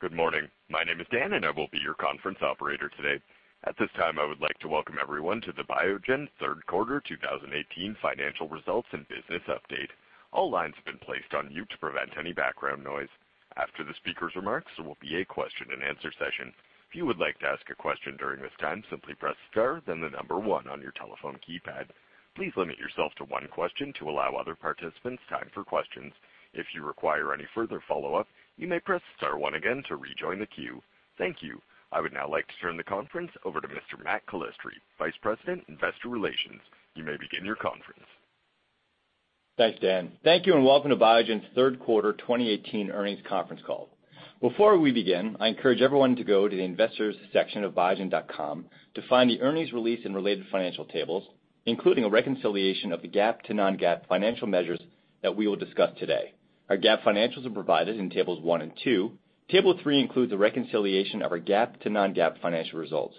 Good morning. My name is Dan, and I will be your conference operator today. At this time, I would like to welcome everyone to the Biogen third quarter 2018 financial results and business update. All lines have been placed on mute to prevent any background noise. After the speaker's remarks, there will be a question and answer session. If you would like to ask a question during this time, simply press star then number 1 on your telephone keypad. Please limit yourself to 1 question to allow other participants time for questions. If you require any further follow-up, you may press star 1 again to rejoin the queue. Thank you. I would now like to turn the conference over to Mr. Matt Calistri, Vice President, Investor Relations. You may begin your conference. Thanks, Dan. Thank you and welcome to Biogen's third quarter 2018 earnings conference call. Before we begin, I encourage everyone to go to the investors section of biogen.com to find the earnings release and related financial tables, including a reconciliation of the GAAP to non-GAAP financial measures that we will discuss today. Our GAAP financials are provided in tables 1 and 2. Table 3 includes a reconciliation of our GAAP to non-GAAP financial results.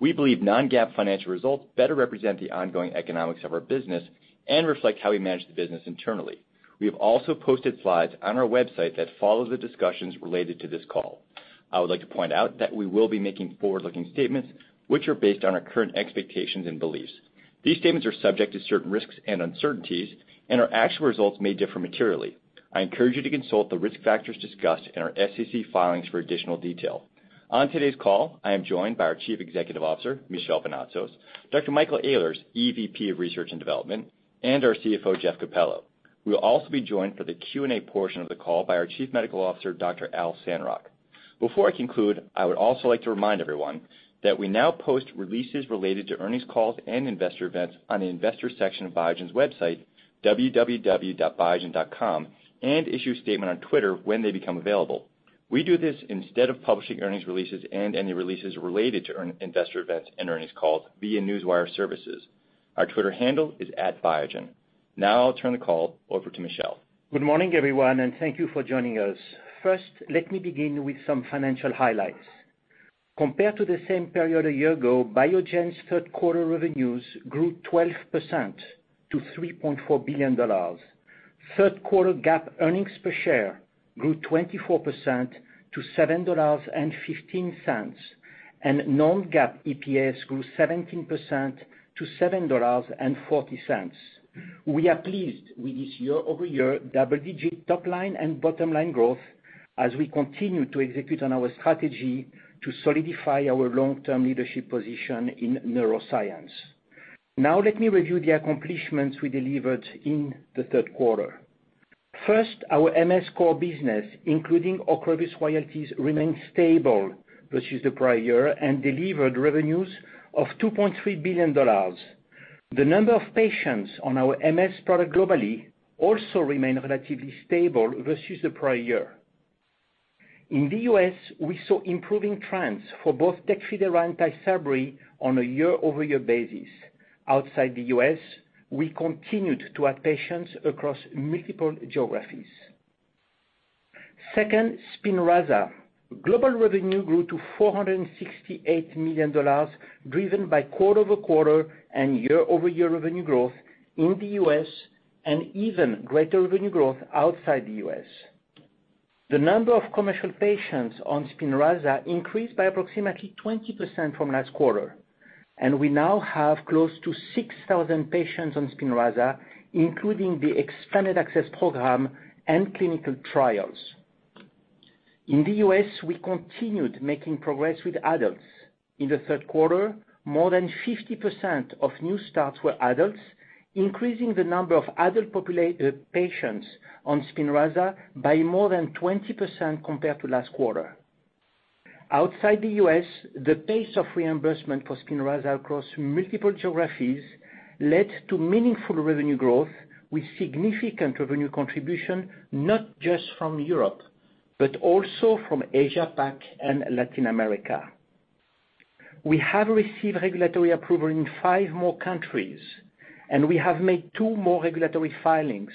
We believe non-GAAP financial results better represent the ongoing economics of our business and reflect how we manage the business internally. We have also posted slides on our website that follow the discussions related to this call. I would like to point out that we will be making forward-looking statements, which are based on our current expectations and beliefs. These statements are subject to certain risks and uncertainties, and our actual results may differ materially. I encourage you to consult the risk factors discussed in our SEC filings for additional detail. On today's call, I am joined by our Chief Executive Officer, Michel Vounatsos, Dr. Michael Ehlers, EVP of Research and Development, and our CFO, Jeff Capello. We will also be joined for the Q&A portion of the call by our Chief Medical Officer, Dr. Al Sandrock. Before I conclude, I would also like to remind everyone that we now post releases related to earnings calls and investor events on the investor section of Biogen's website, www.biogen.com, and issue a statement on Twitter when they become available. We do this instead of publishing earnings releases and any releases related to investor events and earnings calls via Newswire Services. Our Twitter handle is @Biogen. I'll turn the call over to Michel. Good morning, everyone, and thank you for joining us. First, let me begin with some financial highlights. Compared to the same period a year ago, Biogen's third quarter revenues grew 12% to $3.4 billion. Third quarter GAAP earnings per share grew 24% to $7.15, and non-GAAP EPS grew 17% to $7.40. We are pleased with this year-over-year double-digit top-line and bottom-line growth as we continue to execute on our strategy to solidify our long-term leadership position in neuroscience. Let me review the accomplishments we delivered in the third quarter. First, our MS core business, including Ocrevus royalties, remained stable versus the prior year and delivered revenues of $2.3 billion. The number of patients on our MS product globally also remained relatively stable versus the prior year. In the U.S., we saw improving trends for both TECFIDERA and Tysabri on a year-over-year basis. Outside the U.S., we continued to add patients across multiple geographies. Second, SPINRAZA. Global revenue grew to $468 million, driven by quarter-over-quarter and year-over-year revenue growth in the U.S. and even greater revenue growth outside the U.S. The number of commercial patients on SPINRAZA increased by approximately 20% from last quarter, and we now have close to 6,000 patients on SPINRAZA, including the expanded access program and clinical trials. In the U.S., we continued making progress with adults. In the third quarter, more than 50% of new starts were adults, increasing the number of adult patients on SPINRAZA by more than 20% compared to last quarter. Outside the U.S., the pace of reimbursement for SPINRAZA across multiple geographies led to meaningful revenue growth with significant revenue contribution, not just from Europe, but also from Asia Pac and Latin America. We have received regulatory approval in 5 more countries. We have made 2 more regulatory filings.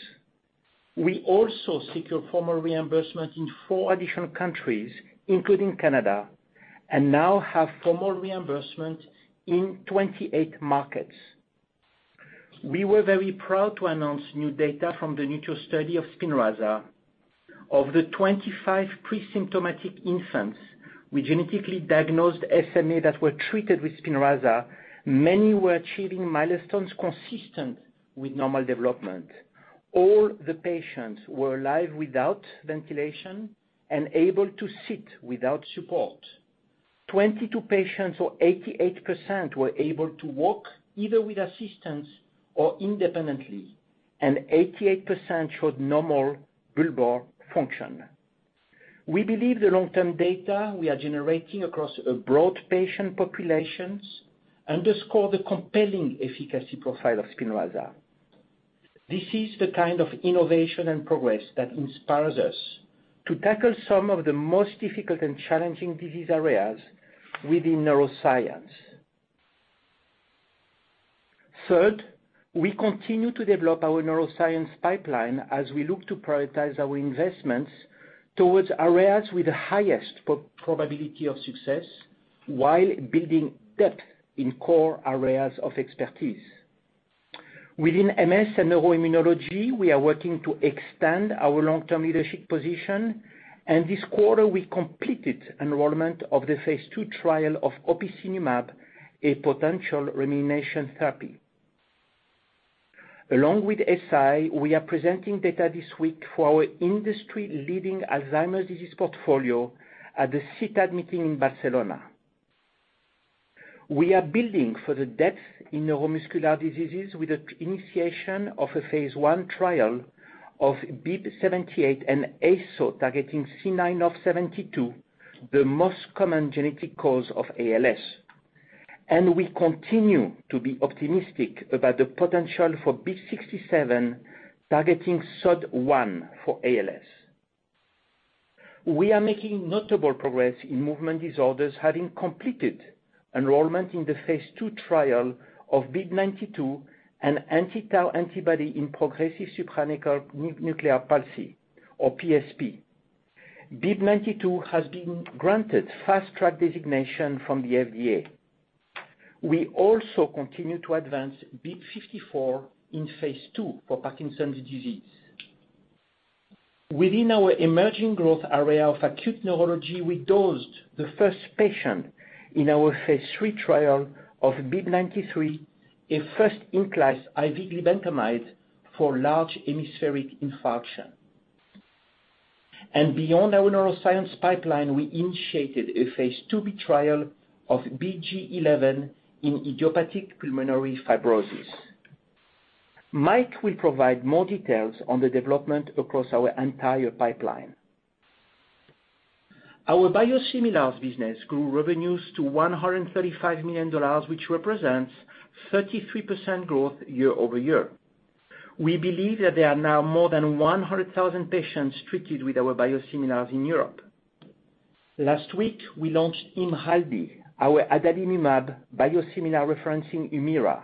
We also secured formal reimbursement in 4 additional countries, including Canada, and now have formal reimbursement in 28 markets. We were very proud to announce new data from the NURTURE study of SPINRAZA. Of the 25 pre-symptomatic infants with genetically diagnosed SMA that were treated with SPINRAZA, many were achieving milestones consistent with normal development. All the patients were alive without ventilation and able to sit without support. 22 patients or 88% were able to walk either with assistance or independently, and 88% showed normal bulbar function. We believe the long-term data we are generating across broad patient populations underscore the compelling efficacy profile of SPINRAZA. This is the kind of innovation and progress that inspires us to tackle some of the most difficult and challenging disease areas within neuroscience. Third, we continue to develop our neuroscience pipeline as we look to prioritize our investments towards areas with the highest probability of success while building depth in core areas of expertise. Within MS and neuroimmunology, we are working to extend our long-term leadership position. This quarter we completed enrollment of the phase II trial of opicinumab, a potential remyelination therapy. Along with Eisai, we are presenting data this week for our industry-leading Alzheimer's disease portfolio at the CTAD meeting in Barcelona. We are building for the depth in neuromuscular diseases with the initiation of a phase I trial of BIIB078, an ASO targeting C9orf72, the most common genetic cause of ALS. We continue to be optimistic about the potential for BIIB067 targeting SOD1 for ALS. We are making notable progress in movement disorders, having completed enrollment in the phase II trial of BIIB092, an anti-tau antibody in progressive supranuclear palsy, or PSP. BIIB092 has been granted Fast Track designation from the FDA. We also continue to advance BIIB054 in phase II for Parkinson's disease. Within our emerging growth area of acute neurology, we dosed the first patient in our phase III trial of BIIB093, a first-in-class IV glibenclamide for large hemispheric infarction. Beyond our neuroscience pipeline, we initiated a phase II-B trial of BG00011 in idiopathic pulmonary fibrosis. Mike will provide more details on the development across our entire pipeline. Our biosimilars business grew revenues to $135 million, which represents 33% growth year-over-year. We believe that there are now more than 100,000 patients treated with our biosimilars in Europe. Last week, we launched IMRALDI, our adalimumab biosimilar referencing HUMIRA,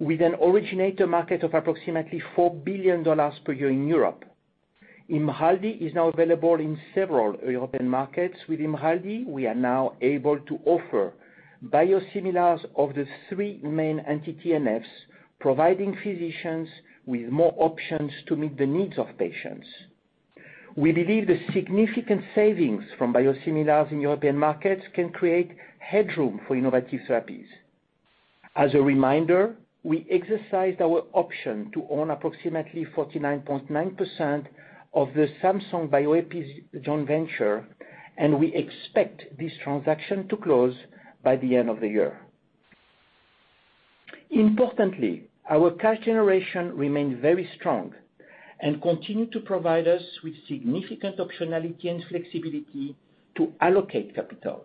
with an originator market of approximately $4 billion per year in Europe. IMRALDI is now available in several European markets. With IMRALDI, we are now able to offer biosimilars of the three main anti-TNFs, providing physicians with more options to meet the needs of patients. We believe the significant savings from biosimilars in European markets can create headroom for innovative therapies. As a reminder, we exercised our option to own approximately 49.9% of the Samsung Bioepis joint venture, and we expect this transaction to close by the end of the year. Importantly, our cash generation remained very strong and continued to provide us with significant optionality and flexibility to allocate capital.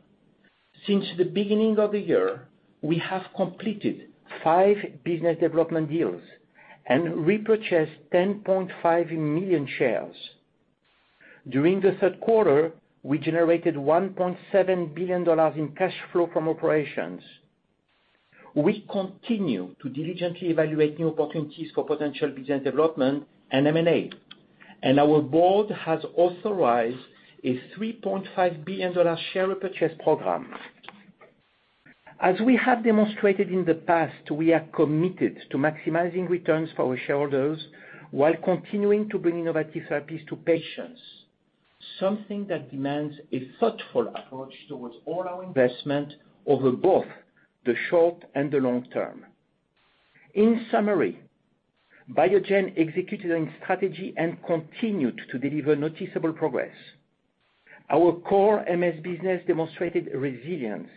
Since the beginning of the year, we have completed five business development deals and repurchased 10.5 million shares. During the third quarter, we generated $1.7 billion in cash flow from operations. We continue to diligently evaluate new opportunities for potential business development and M&A, and our board has authorized a $3.5 billion share repurchase program. As we have demonstrated in the past, we are committed to maximizing returns for our shareholders while continuing to bring innovative therapies to patients, something that demands a thoughtful approach towards all our investment over both the short and the long term. In summary, Biogen executed on strategy and continued to deliver noticeable progress. Our core MS business demonstrated resilience.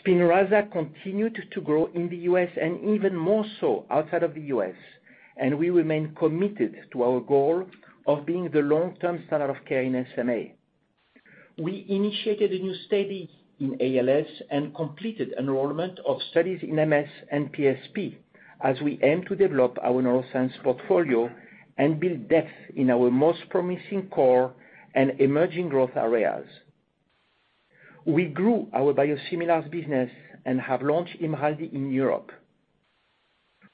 SPINRAZA continued to grow in the U.S. and even more so outside of the U.S., and we remain committed to our goal of being the long-term standard of care in SMA. We initiated a new study in ALS and completed enrollment of studies in MS and PSP as we aim to develop our neuroscience portfolio and build depth in our most promising core and emerging growth areas. We grew our biosimilars business and have launched IMRALDI in Europe.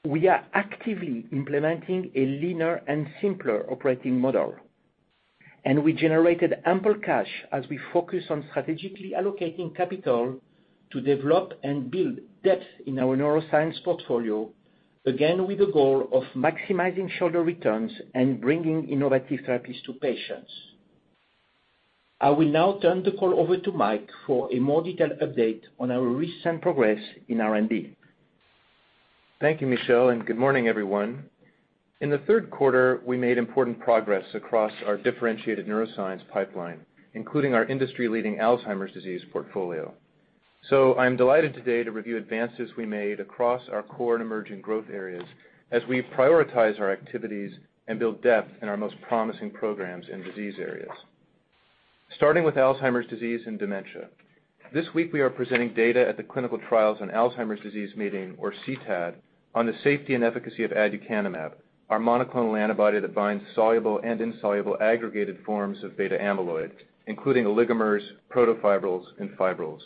We are actively implementing a Lean and Simple operating model, and we generated ample cash as we focus on strategically allocating capital to develop and build depth in our neuroscience portfolio, again with the goal of maximizing shareholder returns and bringing innovative therapies to patients. I will now turn the call over to Mike for a more detailed update on our recent progress in R&D. Thank you, Michel, and good morning, everyone. In the third quarter, we made important progress across our differentiated neuroscience pipeline, including our industry-leading Alzheimer's disease portfolio. I'm delighted today to review advances we made across our core and emerging growth areas as we prioritize our activities and build depth in our most promising programs and disease areas. Starting with Alzheimer's disease and dementia. This week, we are presenting data at the Clinical Trials on Alzheimer's Disease meeting, or CTAD, on the safety and efficacy of aducanumab, our monoclonal antibody that binds soluble and insoluble aggregated forms of beta amyloid, including oligomers, protofibrils, and fibrils.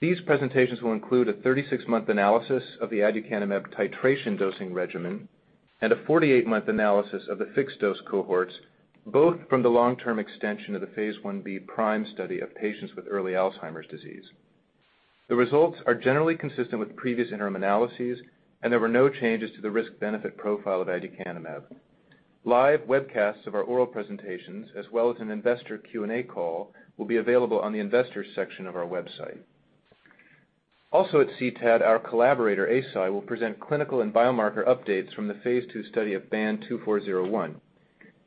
These presentations will include a 36-month analysis of the aducanumab titration dosing regimen and a 48-month analysis of the fixed dose cohorts, both from the long-term extension of the Phase I-B PRIME study of patients with early Alzheimer's disease. The results are generally consistent with previous interim analyses, and there were no changes to the risk-benefit profile of aducanumab. Live webcasts of our oral presentations, as well as an investor Q&A call, will be available on the investors section of our website. Also at CTAD, our collaborator, Eisai, will present clinical and biomarker updates from the Phase II study of BAN2401.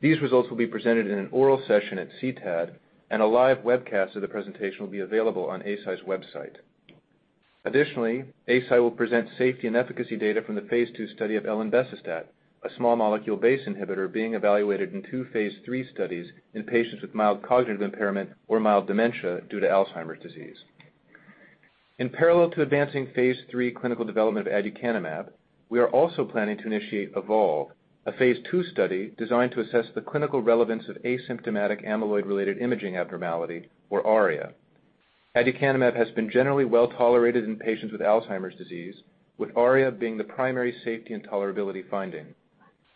These results will be presented in an oral session at CTAD, and a live webcast of the presentation will be available on Eisai's website. Additionally, Eisai will present safety and efficacy data from the Phase II study of elenbecestat, a small molecule BACE inhibitor being evaluated in two Phase III studies in patients with mild cognitive impairment or mild dementia due to Alzheimer's disease. In parallel to advancing Phase III clinical development of aducanumab, we are also planning to initiate EVOLVE, a Phase II study designed to assess the clinical relevance of asymptomatic amyloid-related imaging abnormality, or ARIA. Aducanumab has been generally well-tolerated in patients with Alzheimer's disease, with ARIA being the primary safety and tolerability finding.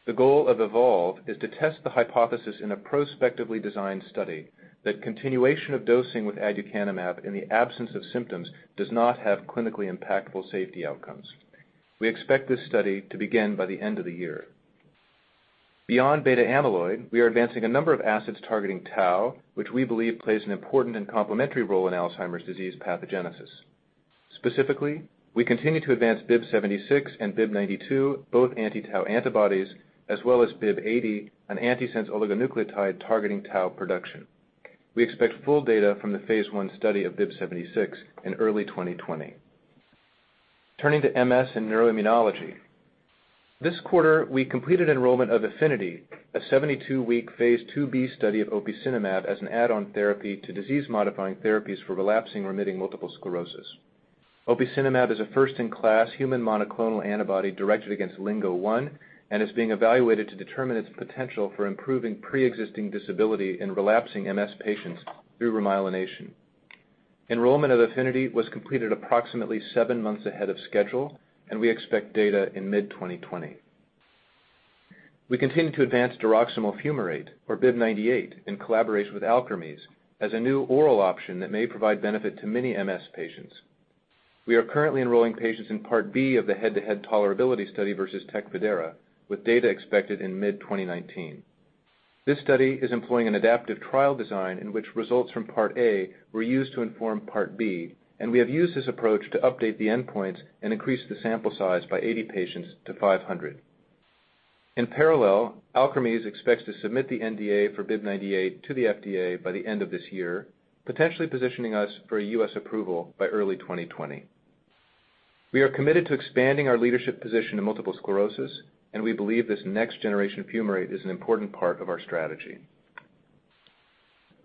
The goal of EVOLVE is to test the hypothesis in a prospectively designed study that continuation of dosing with aducanumab in the absence of symptoms does not have clinically impactful safety outcomes. We expect this study to begin by the end of the year. Beyond beta amyloid, we are advancing a number of assets targeting tau, which we believe plays an important and complementary role in Alzheimer's disease pathogenesis. Specifically, we continue to advance BIIB076 and BIIB092, both anti-tau antibodies, as well as BIIB080, an antisense oligonucleotide targeting tau production. We expect full data from the Phase I study of BIIB076 in early 2020. Turning to MS and neuroimmunology. This quarter, we completed enrollment of AFFINITY, a 72-week Phase II-B study of opicinumab as an add-on therapy to disease-modifying therapies for relapsing remitting multiple sclerosis. Opicinumab is a first-in-class human monoclonal antibody directed against LINGO-1 and is being evaluated to determine its potential for improving pre-existing disability in relapsing MS patients through remyelination. Enrollment of AFFINITY was completed approximately seven months ahead of schedule, and we expect data in mid-2020. We continue to advance diroximel fumarate, or BIIB098, in collaboration with Alkermes, as a new oral option that may provide benefit to many MS patients. We are currently enrolling patients in Part B of the head-to-head tolerability study versus TECFIDERA, with data expected in mid-2019. This study is employing an adaptive trial design in which results from Part A were used to inform Part B, and we have used this approach to update the endpoints and increase the sample size by 80 patients to 500. In parallel, Alkermes expects to submit the NDA for BIIB098 to the FDA by the end of this year, potentially positioning us for a U.S. approval by early 2020. We are committed to expanding our leadership position in multiple sclerosis, and we believe this next generation of fumarate is an important part of our strategy.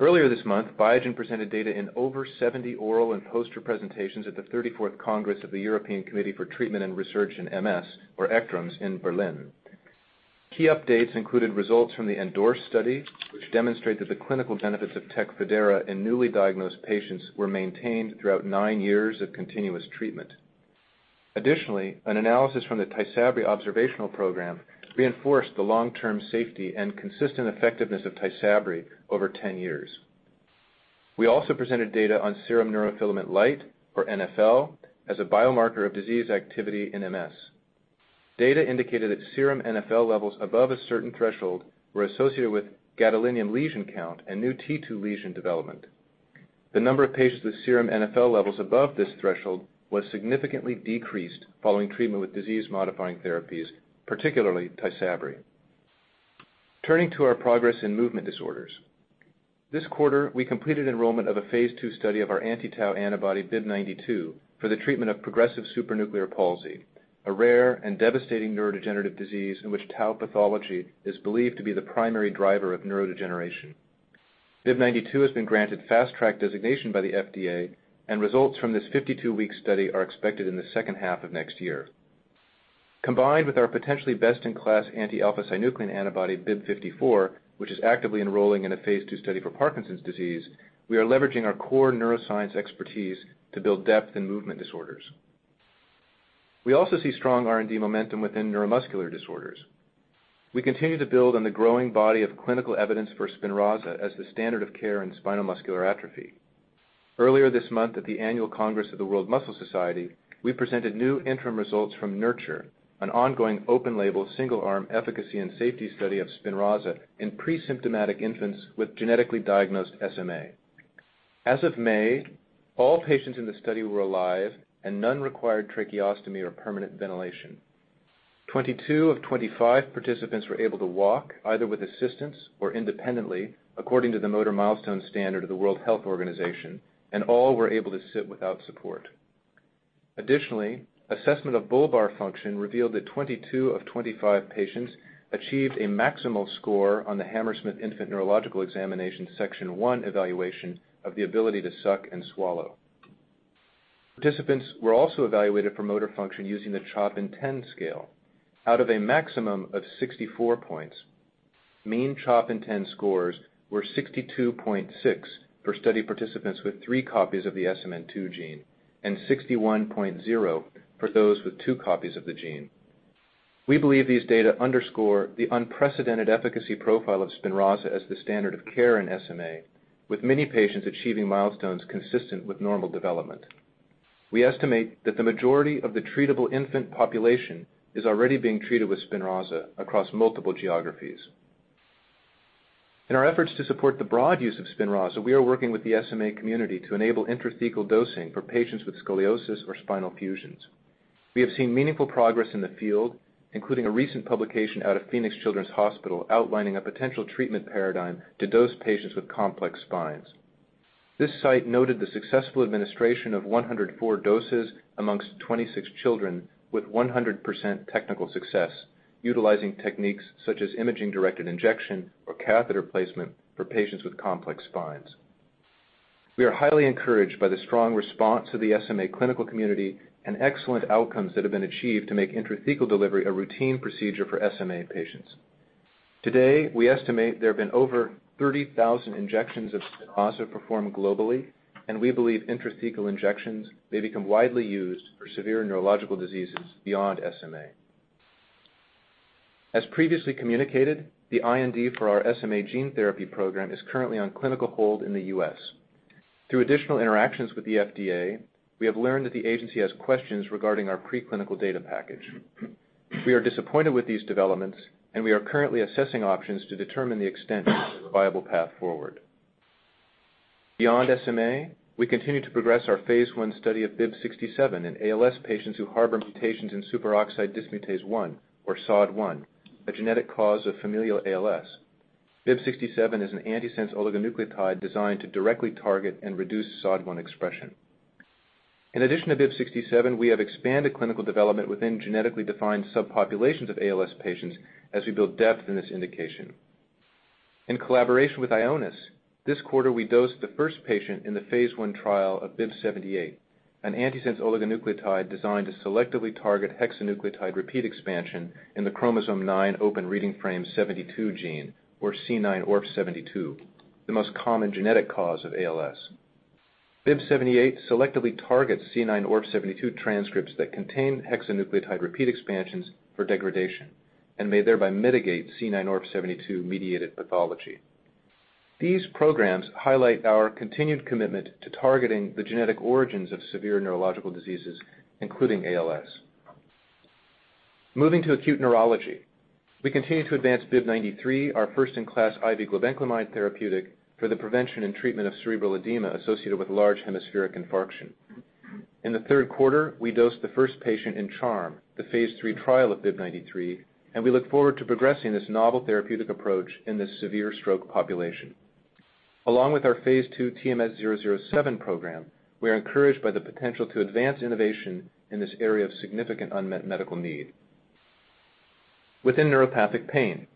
Earlier this month, Biogen presented data in over 70 oral and poster presentations at the 34th Congress of the European Committee for Treatment and Research in MS, or ECTRIMS, in Berlin. Key updates included results from the ENDORSE study, which demonstrate that the clinical benefits of TECFIDERA in newly diagnosed patients were maintained throughout nine years of continuous treatment. Additionally, an analysis from the Tysabri observational program reinforced the long-term safety and consistent effectiveness of Tysabri over 10 years. We also presented data on serum neurofilament light, or NfL, as a biomarker of disease activity in MS. Data indicated that serum NfL levels above a certain threshold were associated with gadolinium lesion count and new T2 lesion development. The number of patients with serum NfL levels above this threshold was significantly decreased following treatment with disease-modifying therapies, particularly Tysabri. Turning to our progress in movement disorders. This quarter, we completed enrollment of a phase II study of our anti-tau antibody BIIB092 for the treatment of progressive supranuclear palsy, a rare and devastating neurodegenerative disease in which tau pathology is believed to be the primary driver of neurodegeneration. BIIB092 has been granted Fast Track designation by the FDA, and results from this 52-week study are expected in the second half of next year. Combined with our potentially best-in-class anti-alpha-synuclein antibody BIIB054, which is actively enrolling in a phase II study for Parkinson's disease, we are leveraging our core neuroscience expertise to build depth in movement disorders. We also see strong R&D momentum within neuromuscular disorders. We continue to build on the growing body of clinical evidence for SPINRAZA as the standard of care in spinal muscular atrophy. Earlier this month at the annual Congress of the World Muscle Society, we presented new interim results from NURTURE, an ongoing open-label, single-arm efficacy and safety study of SPINRAZA in pre-symptomatic infants with genetically diagnosed SMA. As of May, all patients in the study were alive and none required tracheostomy or permanent ventilation. 22 of 25 participants were able to walk either with assistance or independently according to the motor milestone standard of the World Health Organization, and all were able to sit without support. Additionally, assessment of bulbar function revealed that 22 of 25 patients achieved a maximal score on the Hammersmith Infant Neurological Examination Section 1 evaluation of the ability to suck and swallow. Participants were also evaluated for motor function using the CHOP INTEND scale. Out of a maximum of 64 points, mean CHOP INTEND scores were 62.6 for study participants with three copies of the SMN2 gene and 61.0 for those with two copies of the gene. We believe these data underscore the unprecedented efficacy profile of SPINRAZA as the standard of care in SMA, with many patients achieving milestones consistent with normal development. We estimate that the majority of the treatable infant population is already being treated with SPINRAZA across multiple geographies. In our efforts to support the broad use of SPINRAZA, we are working with the SMA community to enable intrathecal dosing for patients with scoliosis or spinal fusions. We have seen meaningful progress in the field, including a recent publication out of Phoenix Children's Hospital outlining a potential treatment paradigm to dose patients with complex spines. This site noted the successful administration of 104 doses amongst 26 children with 100% technical success, utilizing techniques such as imaging-directed injection or catheter placement for patients with complex spines. We are highly encouraged by the strong response of the SMA clinical community and excellent outcomes that have been achieved to make intrathecal delivery a routine procedure for SMA patients. Today, we estimate there have been over 30,000 injections of SPINRAZA performed globally. We believe intrathecal injections may become widely used for severe neurological diseases beyond SMA. As previously communicated, the IND for our SMA gene therapy program is currently on clinical hold in the U.S. Through additional interactions with the FDA, we have learned that the agency has questions regarding our preclinical data package. We are disappointed with these developments. We are currently assessing options to determine the extent of a viable path forward. Beyond SMA, we continue to progress our phase I study of BIIB067 in ALS patients who harbor mutations in superoxide dismutase 1, or SOD1, a genetic cause of familial ALS. BIIB067 is an antisense oligonucleotide designed to directly target and reduce SOD1 expression. In addition to BIIB067, we have expanded clinical development within genetically defined subpopulations of ALS patients as we build depth in this indication. In collaboration with Ionis, this quarter we dosed the first patient in the phase I trial of BIIB078, an antisense oligonucleotide designed to selectively target hexanucleotide repeat expansion in the chromosome 9 open reading frame 72 gene, or C9orf72, the most common genetic cause of ALS. BIIB078 selectively targets C9orf72 transcripts that contain hexanucleotide repeat expansions for degradation and may thereby mitigate C9orf72-mediated pathology. These programs highlight our continued commitment to targeting the genetic origins of severe neurological diseases, including ALS. Moving to acute neurology. We continue to advance BIIB093, our first-in-class IV glibenclamide therapeutic for the prevention and treatment of cerebral edema associated with large hemispheric infarction. In the third quarter, we dosed the first patient in CHARM, the phase III trial of BIIB093. We look forward to progressing this novel therapeutic approach in this severe stroke population. Along with our phase II TMS-007 program, we are encouraged by the potential to advance innovation in this area of significant unmet medical need. Within neuropathic pain,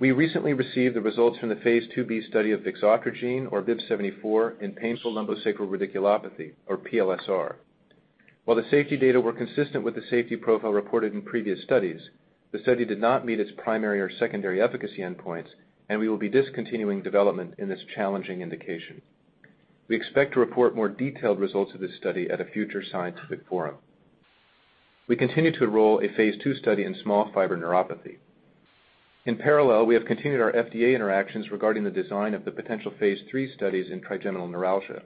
we recently received the results from the phase II-B study of vixotrigine, or BIIB074, in painful lumbosacral radiculopathy, or PLSR. While the safety data were consistent with the safety profile reported in previous studies, the study did not meet its primary or secondary efficacy endpoints. We will be discontinuing development in this challenging indication. We expect to report more detailed results of this study at a future scientific forum. We continue to enroll a phase II study in small fiber neuropathy. In parallel, we have continued our FDA interactions regarding the design of the potential phase III studies in trigeminal neuralgia.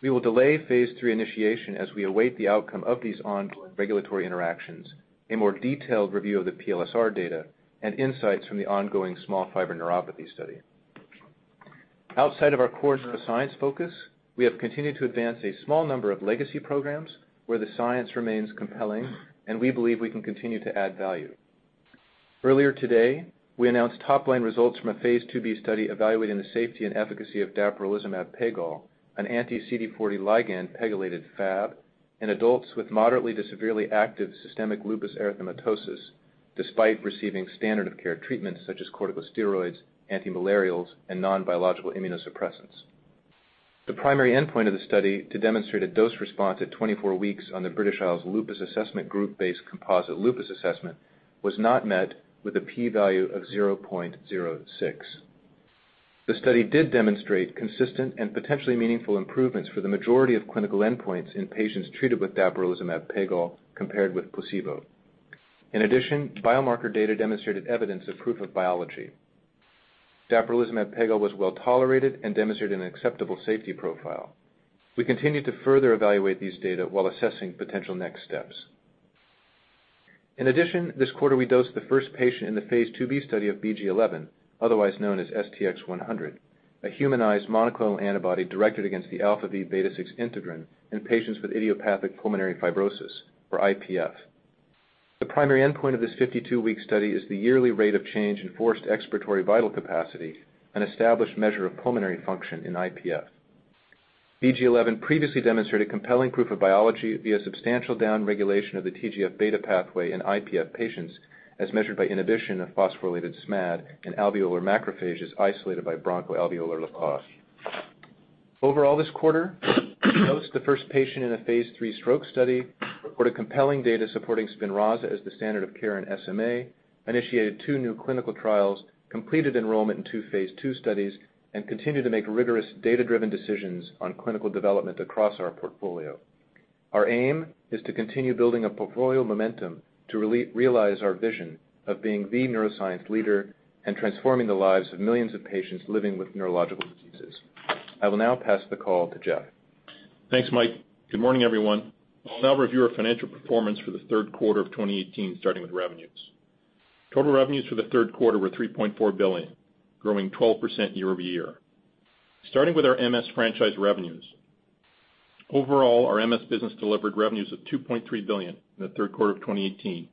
We will delay phase III initiation as we await the outcome of these ongoing regulatory interactions, a more detailed review of the PLSR data, and insights from the ongoing small fiber neuropathy study. Outside of our core neuroscience focus, we have continued to advance a small number of legacy programs where the science remains compelling and we believe we can continue to add value. Earlier today, we announced top-line results from a phase II-B study evaluating the safety and efficacy of dapirolizumab pegol, an anti-CD40 ligand pegylated Fab in adults with moderately to severely active systemic lupus erythematosus despite receiving standard-of-care treatments such as corticosteroids, antimalarials, and non-biological immunosuppressants. The primary endpoint of the study to demonstrate a dose response at 24 weeks on the British Isles Lupus Assessment Group-based composite lupus assessment was not met with a p-value of 0.06. The study did demonstrate consistent and potentially meaningful improvements for the majority of clinical endpoints in patients treated with dapirolizumab pegol compared with placebo. In addition, biomarker data demonstrated evidence of proof of biology. Dapirolizumab pegol was well-tolerated and demonstrated an acceptable safety profile. We continue to further evaluate these data while assessing potential next steps. In addition, this quarter we dosed the first patient in the phase II-B study of BG00011, otherwise known as STX-100, a humanized monoclonal antibody directed against the integrin αvβ6 in patients with idiopathic pulmonary fibrosis, or IPF. The primary endpoint of this 52-week study is the yearly rate of change in forced expiratory vital capacity, an established measure of pulmonary function in IPF. BG00011 previously demonstrated compelling proof of biology via substantial downregulation of the TGF-β pathway in IPF patients, as measured by inhibition of phosphorylated SMAD in alveolar macrophages isolated by bronchoalveolar lavage. Overall this quarter, we dosed the first patient in a phase III stroke study, reported compelling data supporting SPINRAZA as the standard of care in SMA, initiated two new clinical trials, completed enrollment in two phase II studies, and continue to make rigorous data-driven decisions on clinical development across our portfolio. Our aim is to continue building a portfolio momentum to realize our vision of being the neuroscience leader and transforming the lives of millions of patients living with neurological diseases. I will now pass the call to Jeff. Thanks, Mike. Good morning, everyone. I'll now review our financial performance for the third quarter of 2018, starting with revenues. Total revenues for the third quarter were $3.4 billion, growing 12% year-over-year. Starting with our MS franchise revenues, overall, our MS business delivered revenues of $2.3 billion in the third quarter of 2018,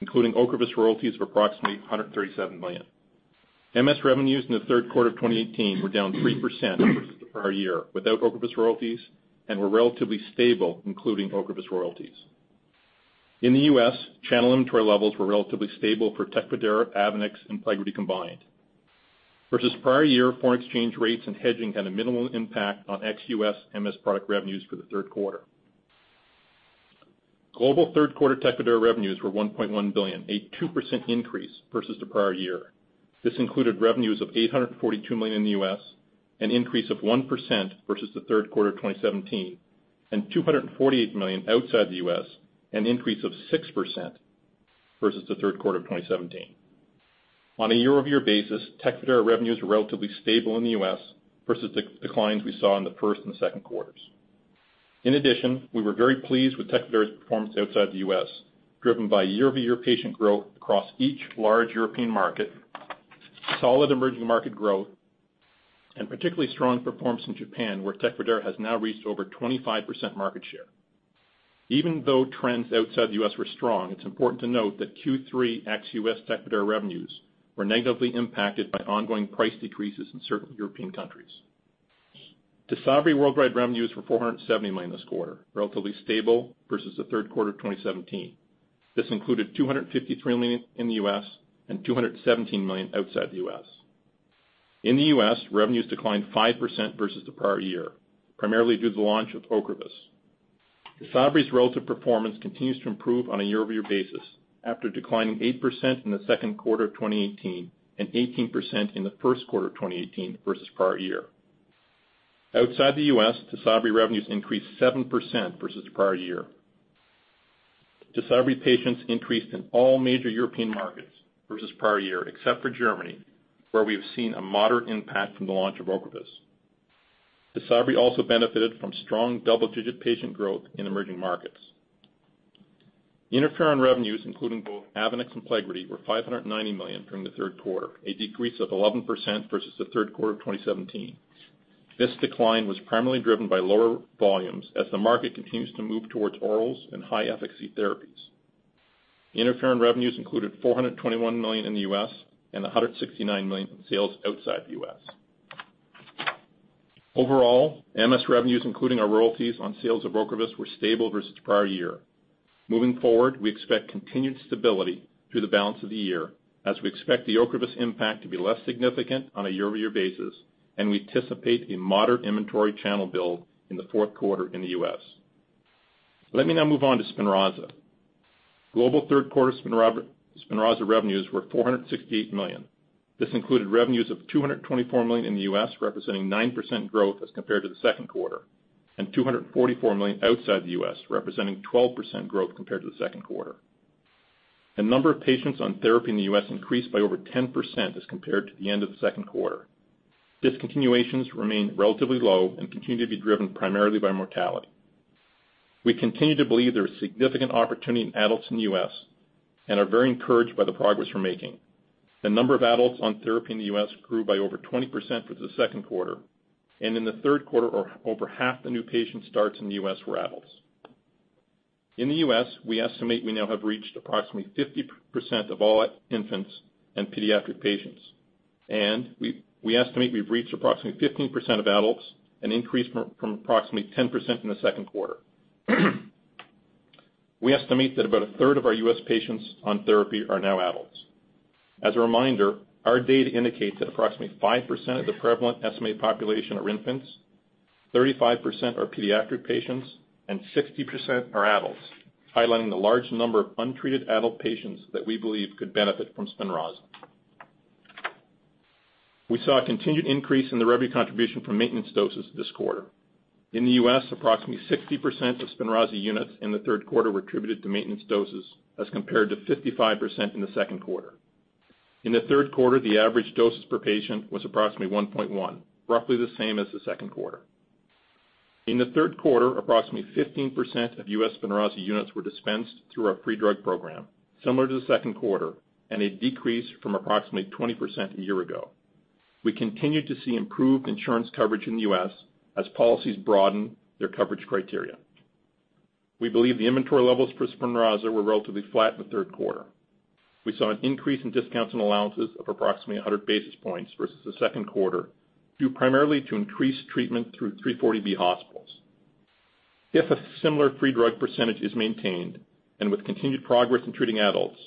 including OCREVUS royalties of approximately $137 million. MS revenues in the third quarter of 2018 were down 3% versus the prior year without OCREVUS royalties and were relatively stable, including OCREVUS royalties. In the U.S., channel inventory levels were relatively stable for TECFIDERA, AVONEX, and PLEGRIDY combined. Versus the prior year, foreign exchange rates and hedging had a minimal impact on ex-U.S. MS product revenues for the third quarter. Global third quarter TECFIDERA revenues were $1.1 billion, a 2% increase versus the prior year. This included revenues of $842 million in the U.S., an increase of 1% versus the third quarter of 2017, and $248 million outside the U.S., an increase of 6% versus the third quarter of 2017. On a year-over-year basis, TECFIDERA revenues were relatively stable in the U.S. versus declines we saw in the first and second quarters. In addition, we were very pleased with TECFIDERA's performance outside the U.S., driven by year-over-year patient growth across each large European market, solid emerging market growth, and particularly strong performance in Japan, where TECFIDERA has now reached over 25% market share. Even though trends outside the U.S. were strong, it's important to note that Q3 ex-U.S. TECFIDERA revenues were negatively impacted by ongoing price decreases in certain European countries. TYSABRI worldwide revenues were $470 million this quarter, relatively stable versus the third quarter of 2017. This included $253 million in the U.S. and $217 million outside the U.S. In the U.S., revenues declined 5% versus the prior year, primarily due to the launch of OCREVUS. TYSABRI's relative performance continues to improve on a year-over-year basis after declining 8% in the second quarter of 2018 and 18% in the first quarter of 2018 versus the prior year. Outside the U.S., TYSABRI revenues increased 7% versus the prior year. TYSABRI patients increased in all major European markets versus the prior year, except for Germany, where we have seen a moderate impact from the launch of OCREVUS. TYSABRI also benefited from strong double-digit patient growth in emerging markets. Interferon revenues, including both AVONEX and PLEGRIDY, were $590 million during the third quarter, a decrease of 11% versus the third quarter of 2017. This decline was primarily driven by lower volumes as the market continues to move towards orals and high-efficacy therapies. Interferon revenues included $421 million in the U.S. and $169 million in sales outside the U.S. Overall, MS revenues, including our royalties on sales of OCREVUS, were stable versus the prior year. Moving forward, we expect continued stability through the balance of the year as we expect the OCREVUS impact to be less significant on a year-over-year basis, and we anticipate a moderate inventory channel build in the fourth quarter in the U.S. Let me now move on to SPINRAZA. Global third quarter SPINRAZA revenues were $468 million. This included revenues of $224 million in the U.S., representing 9% growth as compared to the second quarter, and $244 million outside the U.S., representing 12% growth compared to the second quarter. The number of patients on therapy in the U.S. increased by over 10% as compared to the end of the second quarter. Discontinuations remain relatively low and continue to be driven primarily by mortality. We continue to believe there is significant opportunity in adults in the U.S. and are very encouraged by the progress we're making. The number of adults on therapy in the U.S. grew by over 20% for the second quarter, and in the third quarter, over half the new patient starts in the U.S. were adults. In the U.S., we estimate we now have reached approximately 50% of all infants and pediatric patients. We estimate we've reached approximately 15% of adults, an increase from approximately 10% in the second quarter. We estimate that about a third of our U.S. patients on therapy are now adults. As a reminder, our data indicates that approximately 5% of the prevalent estimated population are infants, 35% are pediatric patients, and 60% are adults, highlighting the large number of untreated adult patients that we believe could benefit from SPINRAZA. We saw a continued increase in the revenue contribution from maintenance doses this quarter. In the U.S., approximately 60% of SPINRAZA units in the third quarter were attributed to maintenance doses as compared to 55% in the second quarter. In the third quarter, the average doses per patient was approximately 1.1, roughly the same as the second quarter. In the third quarter, approximately 15% of U.S. SPINRAZA units were dispensed through our free drug program, similar to the second quarter, and a decrease from approximately 20% a year ago. We continue to see improved insurance coverage in the U.S. as policies broaden their coverage criteria. We believe the inventory levels for SPINRAZA were relatively flat in the third quarter. We saw an increase in discounts and allowances of approximately 100 basis points versus the second quarter, due primarily to increased treatment through 340B hospitals. If a similar free drug percentage is maintained and with continued progress in treating adults,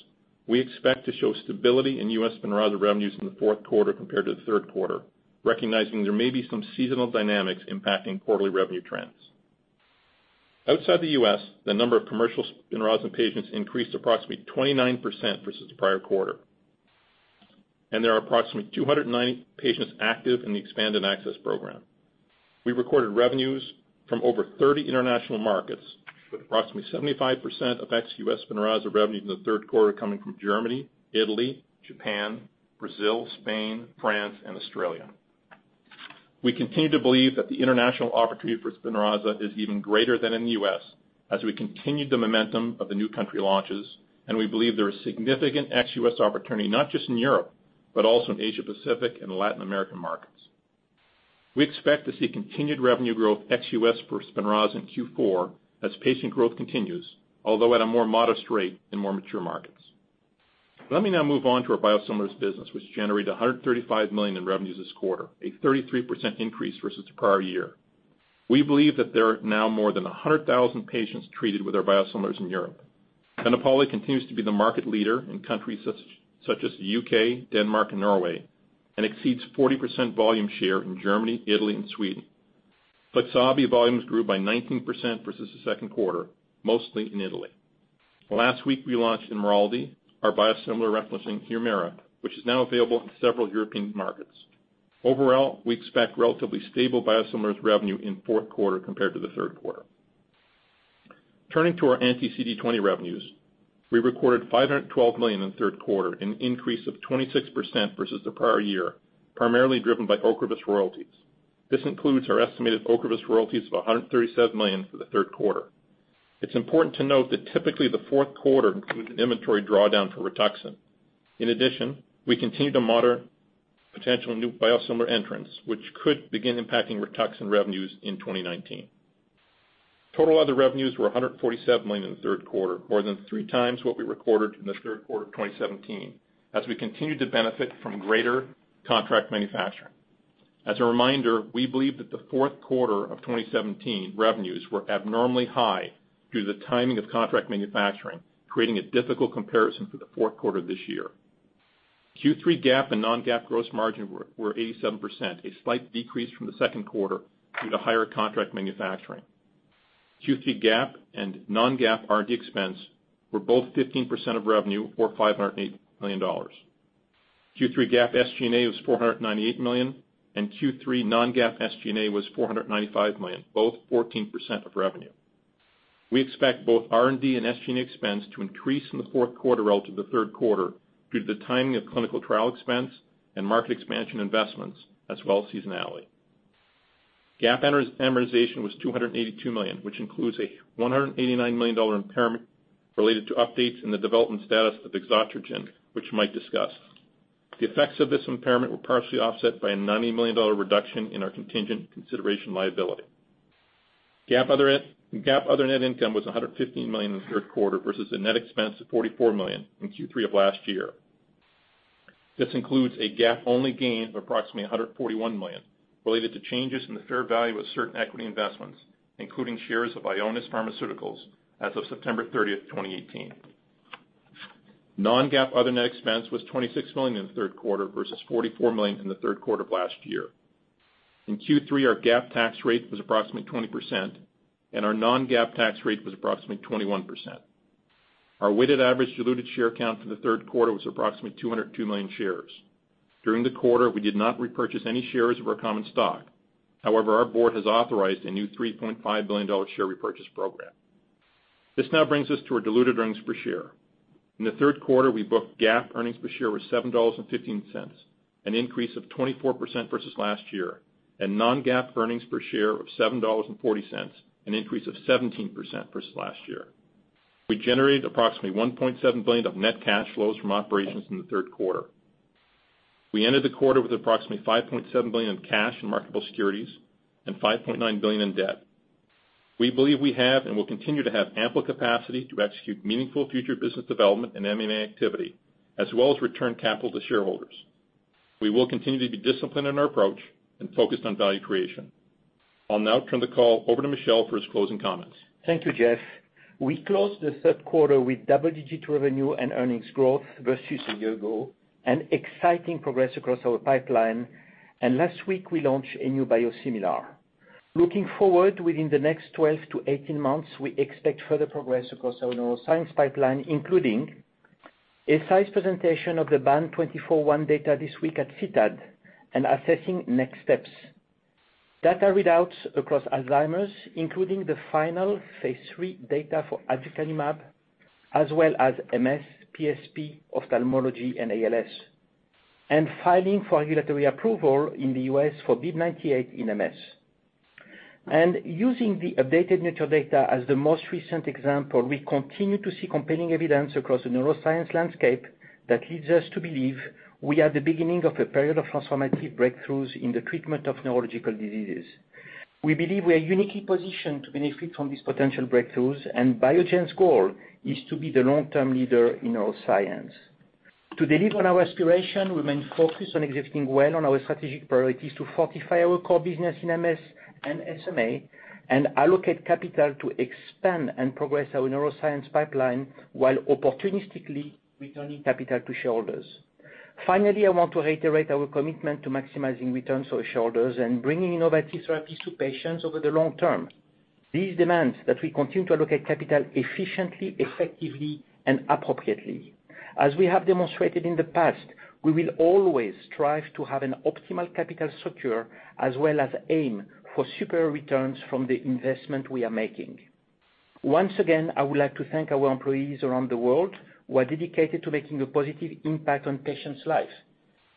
we expect to show stability in U.S. SPINRAZA revenues in the fourth quarter compared to the third quarter, recognizing there may be some seasonal dynamics impacting quarterly revenue trends. Outside the U.S., the number of commercial SPINRAZA patients increased approximately 29% versus the prior quarter. There are approximately 209 patients active in the expanded access program. We recorded revenues from over 30 international markets, with approximately 75% of ex-U.S. SPINRAZA revenue from the third quarter coming from Germany, Italy, Japan, Brazil, Spain, France, and Australia. We continue to believe that the international opportunity for SPINRAZA is even greater than in the U.S. as we continue the momentum of the new country launches. We believe there is significant ex-U.S. opportunity, not just in Europe, but also in Asia Pacific and Latin American markets. We expect to see continued revenue growth ex-U.S. for SPINRAZA in Q4 as patient growth continues, although at a more modest rate in more mature markets. Let me now move on to our biosimilars business, which generated $135 million in revenues this quarter, a 33% increase versus the prior year. We believe that there are now more than 100,000 patients treated with our biosimilars in Europe. BENEPALI continues to be the market leader in countries such as the U.K., Denmark, and Norway, and exceeds 40% volume share in Germany, Italy, and Sweden. FLIXABI volumes grew by 19% versus the second quarter, mostly in Italy. Last week, we launched IMRALDI, our biosimilar referencing HUMIRA, which is now available in several European markets. Overall, we expect relatively stable biosimilars revenue in fourth quarter compared to the third quarter. Turning to our anti-CD20 revenues, we recorded $512 million in the third quarter, an increase of 26% versus the prior year, primarily driven by OCREVUS royalties. This includes our estimated OCREVUS royalties of $137 million for the third quarter. It is important to note that typically the fourth quarter includes an inventory drawdown for RITUXAN. In addition, we continue to monitor potential new biosimilar entrants, which could begin impacting RITUXAN revenues in 2019. Total other revenues were $147 million in the third quarter, more than three times what we recorded in the third quarter of 2017 as we continued to benefit from greater contract manufacturing. As a reminder, we believe that the fourth quarter of 2017 revenues were abnormally high due to the timing of contract manufacturing, creating a difficult comparison for the fourth quarter this year. Q3 GAAP and non-GAAP gross margin were 87%, a slight decrease from the second quarter due to higher contract manufacturing. Q3 GAAP and non-GAAP R&D expense were both 15% of revenue, or $508 million. Q3 GAAP SG&A was $498 million, and Q3 non-GAAP SG&A was $495 million, both 14% of revenue. We expect both R&D and SG&A expense to increase in the fourth quarter relative to the third quarter due to the timing of clinical trial expense and market expansion investments, as well as seasonality. GAAP amortization was $282 million, which includes a $189 million impairment related to updates in the development status of vixotrigine, which Mike discussed. The effects of this impairment were partially offset by a $90 million reduction in our contingent consideration liability. GAAP other net income was $115 million in the third quarter versus a net expense of $44 million in Q3 of last year. This includes a GAAP-only gain of approximately $141 million related to changes in the fair value of certain equity investments, including shares of Ionis Pharmaceuticals as of September 30, 2018. Non-GAAP other net expense was $26 million in the third quarter versus $44 million in the third quarter of last year. In Q3, our GAAP tax rate was approximately 20%, and our non-GAAP tax rate was approximately 21%. Our weighted average diluted share count for the third quarter was approximately 202 million shares. During the quarter, we did not repurchase any shares of our common stock. However, our board has authorized a new $3.5 billion share repurchase program. This now brings us to our diluted earnings per share. In the third quarter, we booked GAAP earnings per share of $7.15, an increase of 24% versus last year, and non-GAAP earnings per share of $7.40, an increase of 17% versus last year. We generated approximately $1.7 billion of net cash flows from operations in the third quarter. We ended the quarter with approximately $5.7 billion in cash and marketable securities and $5.9 billion in debt. We believe we have and will continue to have ample capacity to execute meaningful future business development and M&A activity, as well as return capital to shareholders. We will continue to be disciplined in our approach and focused on value creation. I'll now turn the call over to Michel for his closing comments. Thank you, Jeff. We closed the third quarter with double-digit revenue and earnings growth versus a year ago and exciting progress across our pipeline. Last week, we launched a new biosimilar. Looking forward, within the next 12-18 months, we expect further progress across our neuroscience pipeline, including an Eisai presentation of the BAN2401 data this week at CTAD and assessing next steps. Data readouts across Alzheimer's, including the final phase III data for aducanumab, as well as MS, PSP, ophthalmology, and ALS, and filing for regulatory approval in the U.S. for BIIB098 in MS. Using the updated NfL data as the most recent example, we continue to see compelling evidence across the neuroscience landscape that leads us to believe we are at the beginning of a period of transformative breakthroughs in the treatment of neurological diseases. We believe we are uniquely positioned to benefit from these potential breakthroughs. Biogen's goal is to be the long-term leader in neuroscience. To deliver on our aspiration, we remain focused on executing well on our strategic priorities to fortify our core business in MS and SMA and allocate capital to expand and progress our neuroscience pipeline while opportunistically returning capital to shareholders. Finally, I want to reiterate our commitment to maximizing returns for our shareholders and bringing innovative therapies to patients over the long term. These demands that we continue to allocate capital efficiently, effectively, and appropriately. As we have demonstrated in the past, we will always strive to have an optimal capital structure as well as aim for superior returns from the investment we are making. Once again, I would like to thank our employees around the world who are dedicated to making a positive impact on patients' lives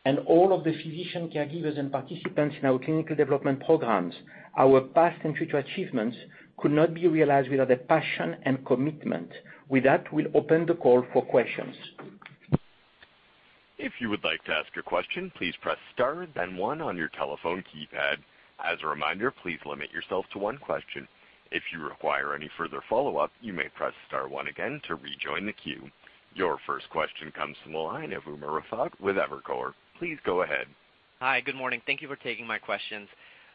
and all of the physician caregivers and participants in our clinical development programs. Our past and future achievements could not be realized without their passion and commitment. With that, we'll open the call for questions. If you would like to ask a question, please press star then one on your telephone keypad. As a reminder, please limit yourself to one question. If you require any further follow-up, you may press star one again to rejoin the queue. Your first question comes from the line of Umer Raffat with Evercore ISI. Please go ahead. Hi. Good morning. Thank you for taking my questions.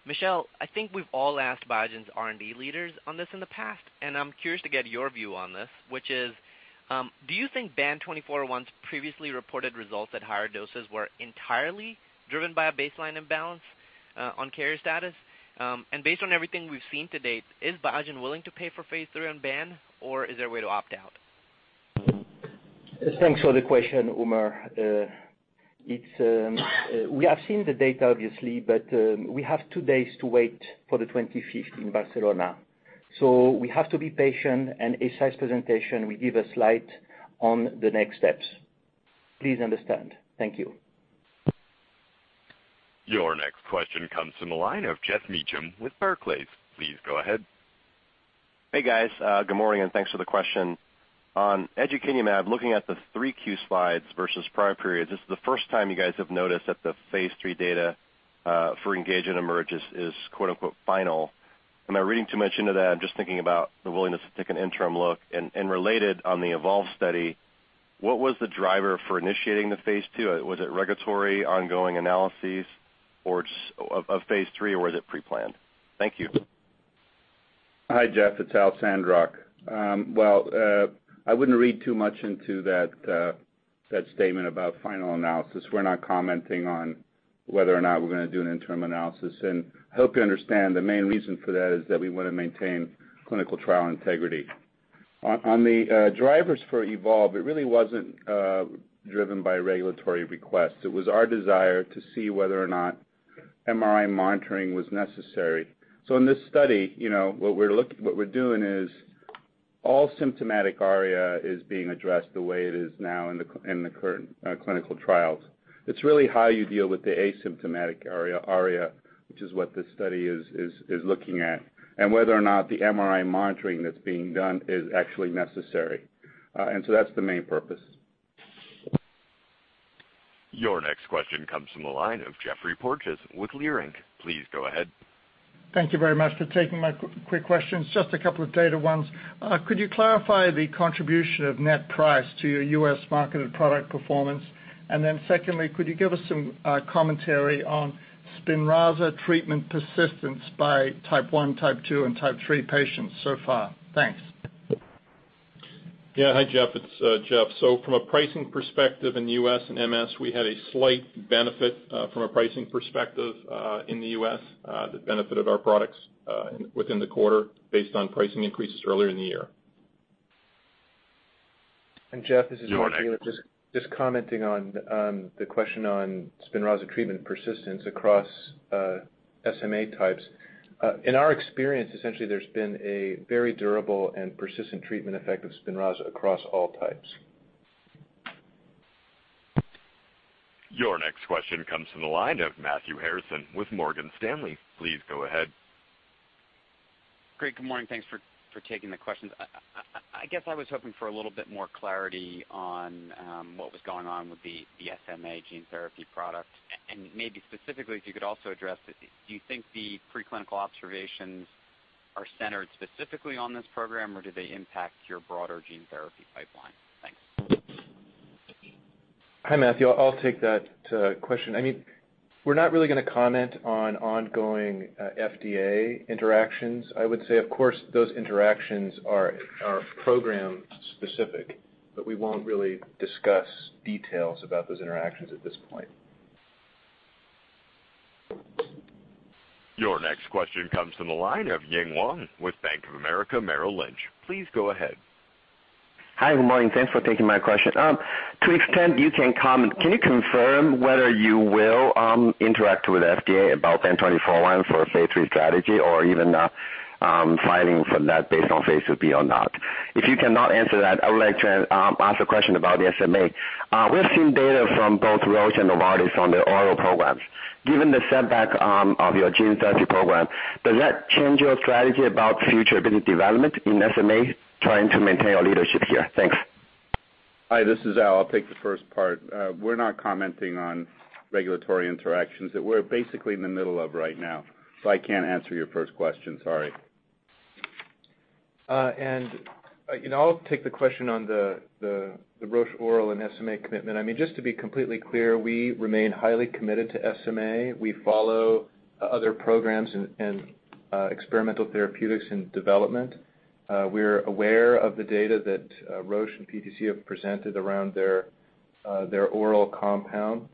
Michel, I think we've all asked Biogen's R&D leaders on this in the past. I'm curious to get your view on this, which is, do you think BAN2401's previously reported results at higher doses were entirely driven by a baseline imbalance on carrier status? Based on everything we've seen to date, is Biogen willing to pay for phase III on BAN, or is there a way to opt-out? Thanks for the question, Umer. We have seen the data obviously, but we have 2 days to wait for the 25th in Barcelona. We have to be patient and at Eisai's presentation, we give a slide on the next steps. Please understand. Thank you. Your next question comes from the line of Geoff Meacham with Barclays. Please go ahead. Hey, guys. Good morning and thanks for the question. On aducanumab, looking at the 3Q slides versus prior periods, this is the first time you guys have noticed that the phase III data, for ENGAGE and EMERGE is "final." Am I reading too much into that? I'm just thinking about the willingness to take an interim look and related on the EVOLVE study, what was the driver for initiating the phase II? Was it regulatory ongoing analyses of phase III or was it pre-planned? Thank you. Hi, Geoff. It's Al Sandrock. I wouldn't read too much into that statement about final analysis. We're not commenting on whether or not we're going to do an interim analysis. I hope you understand the main reason for that is that we want to maintain clinical trial integrity. On the drivers for EVOLVE, it really wasn't driven by regulatory requests. It was our desire to see whether or not MRI monitoring was necessary. In this study, what we're doing is all symptomatic ARIA is being addressed the way it is now in the current clinical trials. It's really how you deal with the asymptomatic ARIA, which is what this study is looking at, and whether or not the MRI monitoring that's being done is actually necessary. That's the main purpose. Your next question comes from the line of Geoffrey Porges with Leerink. Please go ahead. Thank you very much for taking my quick questions. Just a couple of data ones. Could you clarify the contribution of net price to your U.S. marketed product performance? Secondly, could you give us some commentary on SPINRAZA treatment persistence by type 1, type 2, and type 3 patients so far? Thanks. Hi, Jeff. It's Jeff. From a pricing perspective in the U.S. and MS, we had a slight benefit, from a pricing perspective, in the U.S., the benefit of our products within the quarter based on pricing increases earlier in the year. Jeff, this is Michael Ehlers. Your next- Just commenting on the question on SPINRAZA treatment persistence across SMA types. In our experience, essentially, there's been a very durable and persistent treatment effect of SPINRAZA across all types. Your next question comes from the line of Matthew Harrison with Morgan Stanley. Please go ahead. Great. Good morning. Thanks for taking the questions. I guess I was hoping for a little bit more clarity on what was going on with the SMA gene therapy product, and maybe specifically if you could also address if you think the pre-clinical observations are centered specifically on this program, or do they impact your broader gene therapy pipeline? Thanks. Hi, Matthew. I'll take that question. We're not really going to comment on ongoing FDA interactions. I would say, of course, those interactions are program specific. We won't really discuss details about those interactions at this point. Your next question comes from the line of Ying Huang with Bank of America Merrill Lynch. Please go ahead. Hi. Good morning. Thanks for taking my question. To the extent you can comment, can you confirm whether you will interact with FDA about BAN2401 for phase III strategy or even filing for that based on phase II-B or not? If you cannot answer that, I would like to ask a question about the SMA. We've seen data from both Roche and Novartis on their oral programs. Given the setback of your gene therapy program, does that change your strategy about future business development in SMA, trying to maintain your leadership here? Thanks. Hi, this is Al. I'll take the first part. We're not commenting on regulatory interactions that we're basically in the middle of right now. I can't answer your first question, sorry. I'll take the question on the Roche oral and SMA commitment. Just to be completely clear, we remain highly committed to SMA. We follow other programs and experimental therapeutics in development. We're aware of the data that Roche and PTC have presented around their oral compound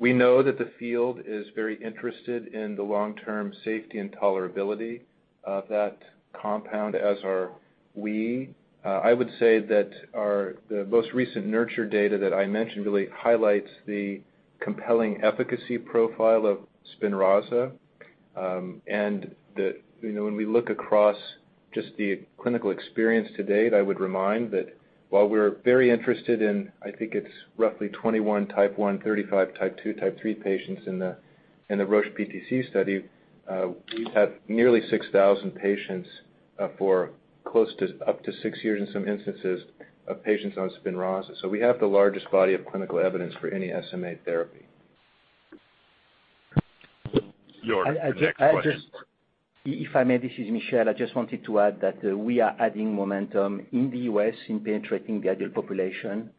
We know that the field is very interested in the long-term safety and tolerability of that compound, as are we. I would say that the most recent NURTURE data that I mentioned really highlights the compelling efficacy profile of SPINRAZA, and that when we look across just the clinical experience to date, I would remind that while we're very interested in, I think it's roughly 21 type 1, 35 type 2, type 3 patients in the Roche PTC study, we've had nearly 6,000 patients for close to up to six years in some instances of patients on SPINRAZA. We have the largest body of clinical evidence for any SMA therapy. Your next question. If I may, this is Michel. I just wanted to add that we are adding momentum in the U.S. in penetrating the adult population.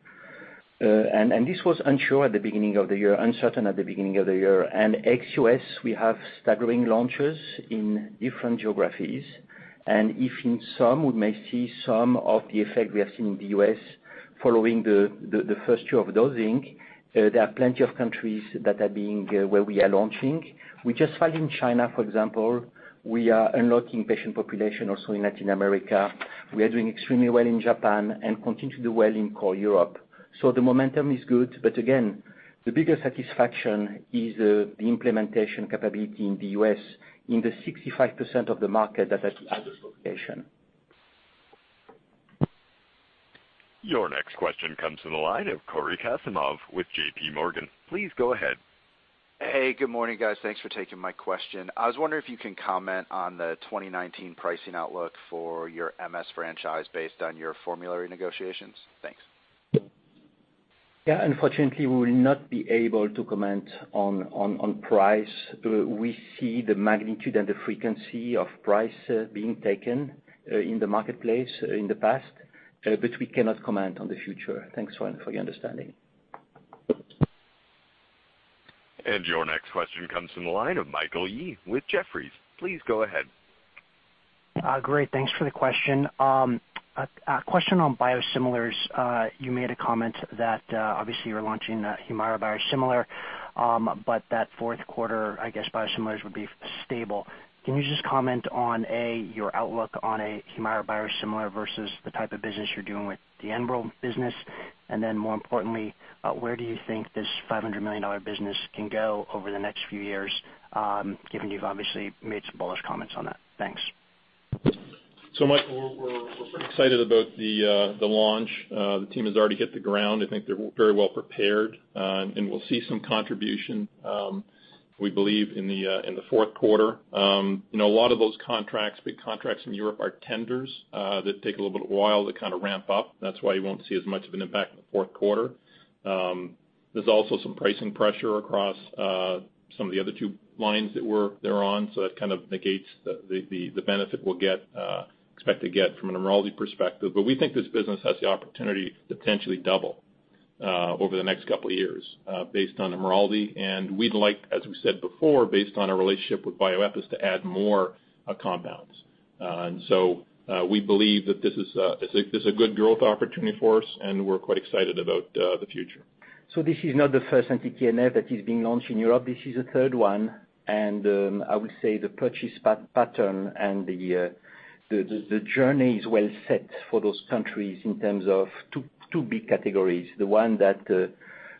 This was unsure at the beginning of the year, uncertain at the beginning of the year. Ex-U.S., we have staggering launches in different geographies. If in some we may see some of the effect we have seen in the U.S. following the first year of dosing, there are plenty of countries where we are launching. We just filed in China, for example. We are unlocking patient population also in Latin America. We are doing extremely well in Japan and continue to do well in core Europe. The momentum is good. But again, the biggest satisfaction is the implementation capability in the U.S. in the 65% of the market that has adult population. Your next question comes to the line of Cory Kasimov with JPMorgan. Please go ahead. Hey, good morning, guys. Thanks for taking my question. I was wondering if you can comment on the 2019 pricing outlook for your MS franchise based on your formulary negotiations. Thanks. Yeah. Unfortunately, we will not be able to comment on price. We see the magnitude and the frequency of price being taken in the marketplace in the past, but we cannot comment on the future. Thanks for your understanding. Your next question comes from the line of Michael Yee with Jefferies. Please go ahead. Great. Thanks for the question. A question on biosimilars. You made a comment that obviously you're launching HUMIRA biosimilar, but that fourth quarter, I guess biosimilars would be stable. Can you just comment on, A, your outlook on a HUMIRA biosimilar versus the type of business you're doing with the Enbrel business? More importantly, where do you think this $500 million business can go over the next few years, given you've obviously made some bullish comments on that? Thanks. Michael, we're pretty excited about the launch. The team has already hit the ground. I think they're very well prepared, and we'll see some contribution, we believe, in the fourth quarter. A lot of those contracts, big contracts in Europe are tenders that take a little bit of a while to kind of ramp up. That's why you won't see as much of an impact in the fourth quarter. There's also some pricing pressure across some of the other two lines that they're on. That kind of negates the benefit we'll expect to get from an IMRALDI perspective. We think this business has the opportunity to potentially double over the next couple of years based on IMRALDI. We'd like, as we said before, based on our relationship with Bioepis, to add more compounds. We believe that this is a good growth opportunity for us, and we're quite excited about the future. This is not the first anti-TNF that is being launched in Europe. This is the third one. I would say the purchase pattern and the journey is well set for those countries in terms of two big categories, the one that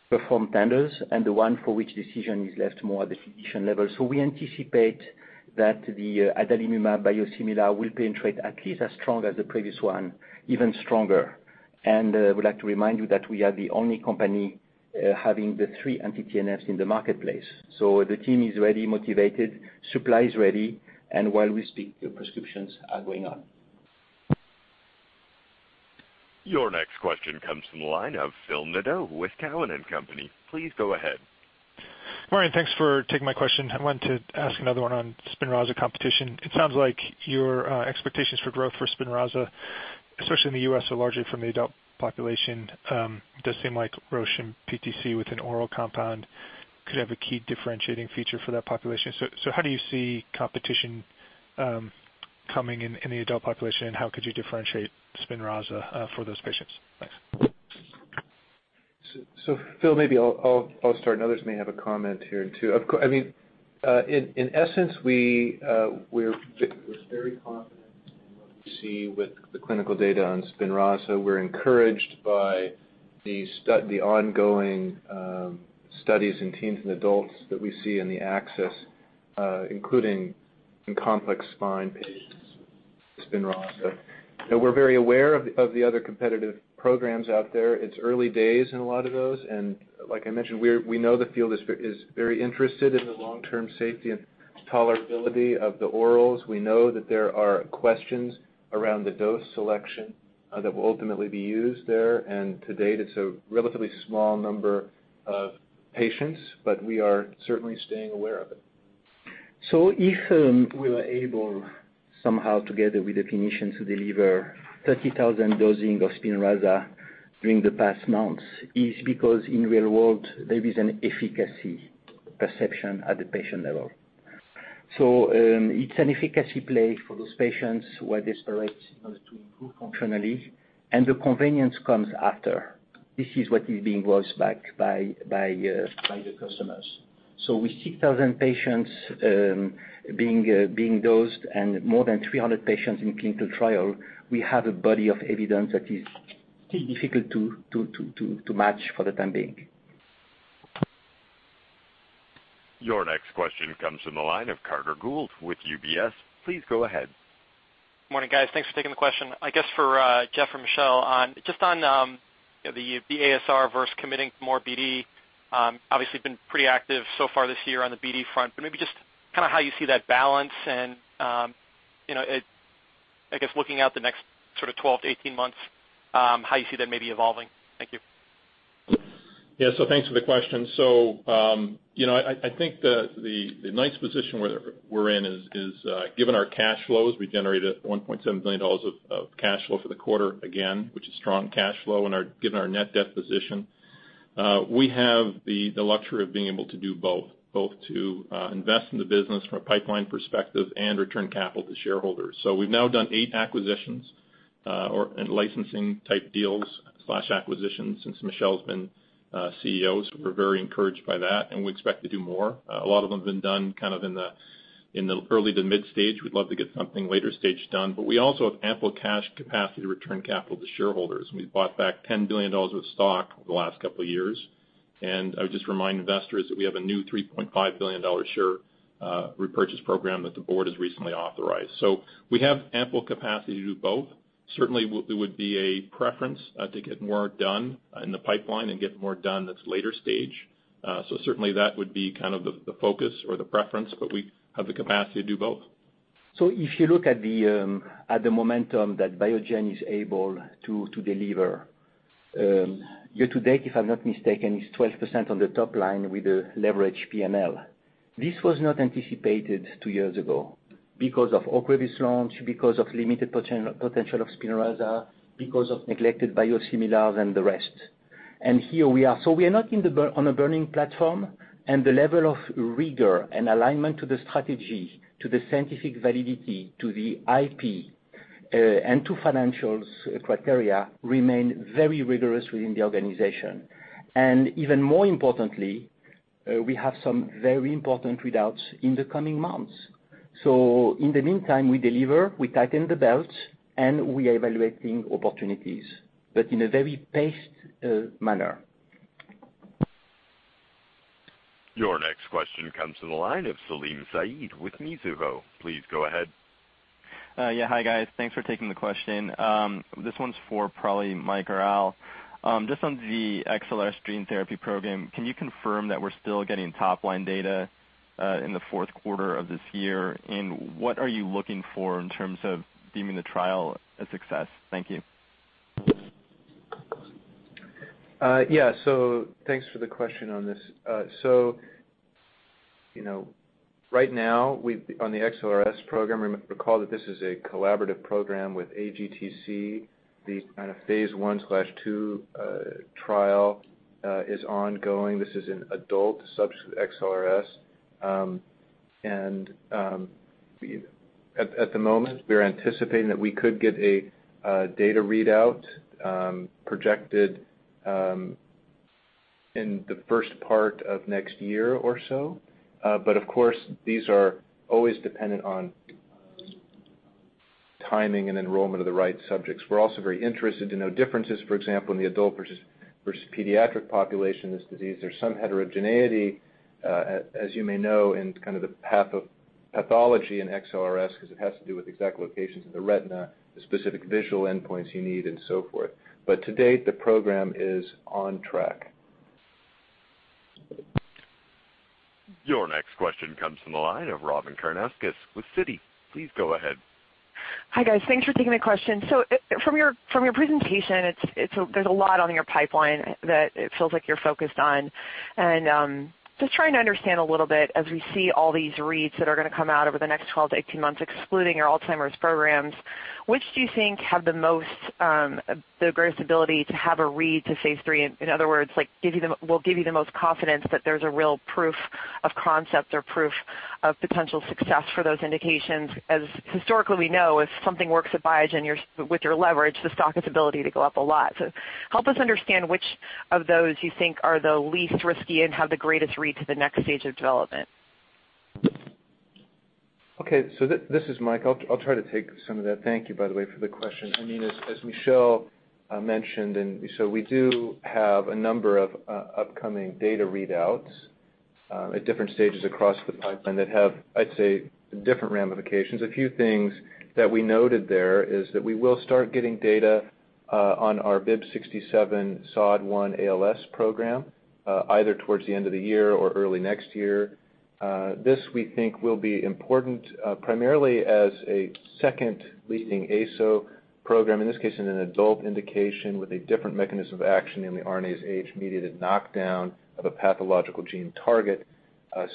perform tenders and the one for which decision is left more at the physician level. We anticipate that the adalimumab biosimilar will penetrate at least as strong as the previous one, even stronger. I would like to remind you that we are the only company having the three anti-TNFs in the marketplace. The team is ready, motivated, supply is ready, and while we speak, the prescriptions are going on. Your next question comes from the line of Phil Nadeau with Cowen and Company. Please go ahead. Morning, thanks for taking my question. I wanted to ask another one on SPINRAZA competition. It sounds like your expectations for growth for SPINRAZA, especially in the U.S., are largely from the adult population. It does seem like Roche PTC with an oral compound could have a key differentiating feature for that population. How do you see competition coming in the adult population, and how could you differentiate SPINRAZA for those patients? Thanks. Phil, maybe I'll start, and others may have a comment here, too. In essence, we're very confident in what we see with the clinical data on SPINRAZA. We're encouraged by the ongoing studies in teens and adults that we see in the access, including in complex spine patients, SPINRAZA. We're very aware of the other competitive programs out there. It's early days in a lot of those, and like I mentioned, we know the field is very interested in the long-term safety and tolerability of the orals. We know that there are questions around the dose selection that will ultimately be used there, and to date, it's a relatively small number of patients, but we are certainly staying aware of it. If we were able somehow, together with the clinicians, to deliver 30,000 dosing of SPINRAZA during the past months, it's because in real world, there is an efficacy perception at the patient level. It's an efficacy play for those patients who are desperate to improve functionally, and the convenience comes after. This is what is being voiced back by the customers. With 6,000 patients being dosed and more than 300 patients in clinical trial, we have a body of evidence that is difficult to match for the time being. Your next question comes from the line of Carter Gould with UBS. Please go ahead. Morning, guys. Thanks for taking the question. I guess for Jeff or Michel, just on the ASR versus committing more BD. Obviously been pretty active so far this year on the BD front, maybe just how you see that balance and, I guess looking out the next 12-18 months, how you see that maybe evolving. Thank you. Thanks for the question. I think the nice position we're in is, given our cash flows, we generated $1.7 billion of cash flow for the quarter, again, which is strong cash flow given our net debt position. We have the luxury of being able to do both to invest in the business from a pipeline perspective and return capital to shareholders. We've now done eight acquisitions, and licensing type deals/acquisitions since Michel's been CEO. We're very encouraged by that, and we expect to do more. A lot of them have been done in the early to mid-stage. We'd love to get something later stage done. We also have ample cash capacity to return capital to shareholders, and we've bought back $10 billion of stock over the last couple of years. I would just remind investors that we have a new $3.5 billion share repurchase program that the board has recently authorized. We have ample capacity to do both. Certainly, it would be a preference to get more done in the pipeline and get more done that's later stage. Certainly that would be the focus or the preference, but we have the capacity to do both. If you look at the momentum that Biogen is able to deliver, year to date, if I'm not mistaken, it's 12% on the top line with a leverage P&L. This was not anticipated two years ago because of Ocrevus launch, because of limited potential of SPINRAZA, because of neglected biosimilars and the rest. Here we are. We are not on a burning platform, and the level of rigor and alignment to the strategy, to the scientific validity, to the IP, and to financials criteria remain very rigorous within the organization. Even more importantly, we have some very important readouts in the coming months. In the meantime, we deliver, we tighten the belts, and we are evaluating opportunities, but in a very paced manner. Your next question comes to the line of Salim Syed with Mizuho. Please go ahead. Hi, guys. Thanks for taking the question. This one's for probably Mike or Al. Just on the XLRS gene therapy program, can you confirm that we're still getting top-line data in the fourth quarter of this year? What are you looking for in terms of deeming the trial a success? Thank you. Thanks for the question on this. Right now on the XLRS program, recall that this is a collaborative program with AGTC. The phase I/II trial is ongoing. This is an adult sub XLRS. At the moment, we are anticipating that we could get a data readout projected in the first part of next year or so. Of course, these are always dependent on timing and enrollment of the right subjects. We're also very interested to know differences, for example, in the adult versus pediatric population, this disease. There's some heterogeneity, as you may know, in the path of pathology in XLRS because it has to do with exact locations in the retina, the specific visual endpoints you need, and so forth. To date, the program is on track. Your next question comes from the line of Robyn Karnauskas with Citi. Please go ahead. Hi, guys. Thanks for taking the question. From your presentation, there's a lot on your pipeline that it feels like you're focused on. Just trying to understand a little bit as we see all these reads that are going to come out over the next 12 to 18 months, excluding your Alzheimer's disease programs, which do you think have the greatest ability to have a read to phase III? In other words, will give you the most confidence that there's a real proof of concept or proof of potential success for those indications? Historically we know, if something works at Biogen with your leverage, the stock has ability to go up a lot. Help us understand which of those you think are the least risky and have the greatest read to the next stage of development. Okay. This is Mike. I'll try to take some of that. Thank you, by the way, for the question. As Michel mentioned, we do have a number of upcoming data readouts at different stages across the pipeline that have, I'd say, different ramifications. A few things that we noted there is that we will start getting data on our BIIB067 SOD1 ALS program either towards the end of the year or early next year. This we think will be important primarily as a second leading ASO program, in this case, in an adult indication with a different mechanism of action in the RNase H-mediated knockdown of a pathological gene target.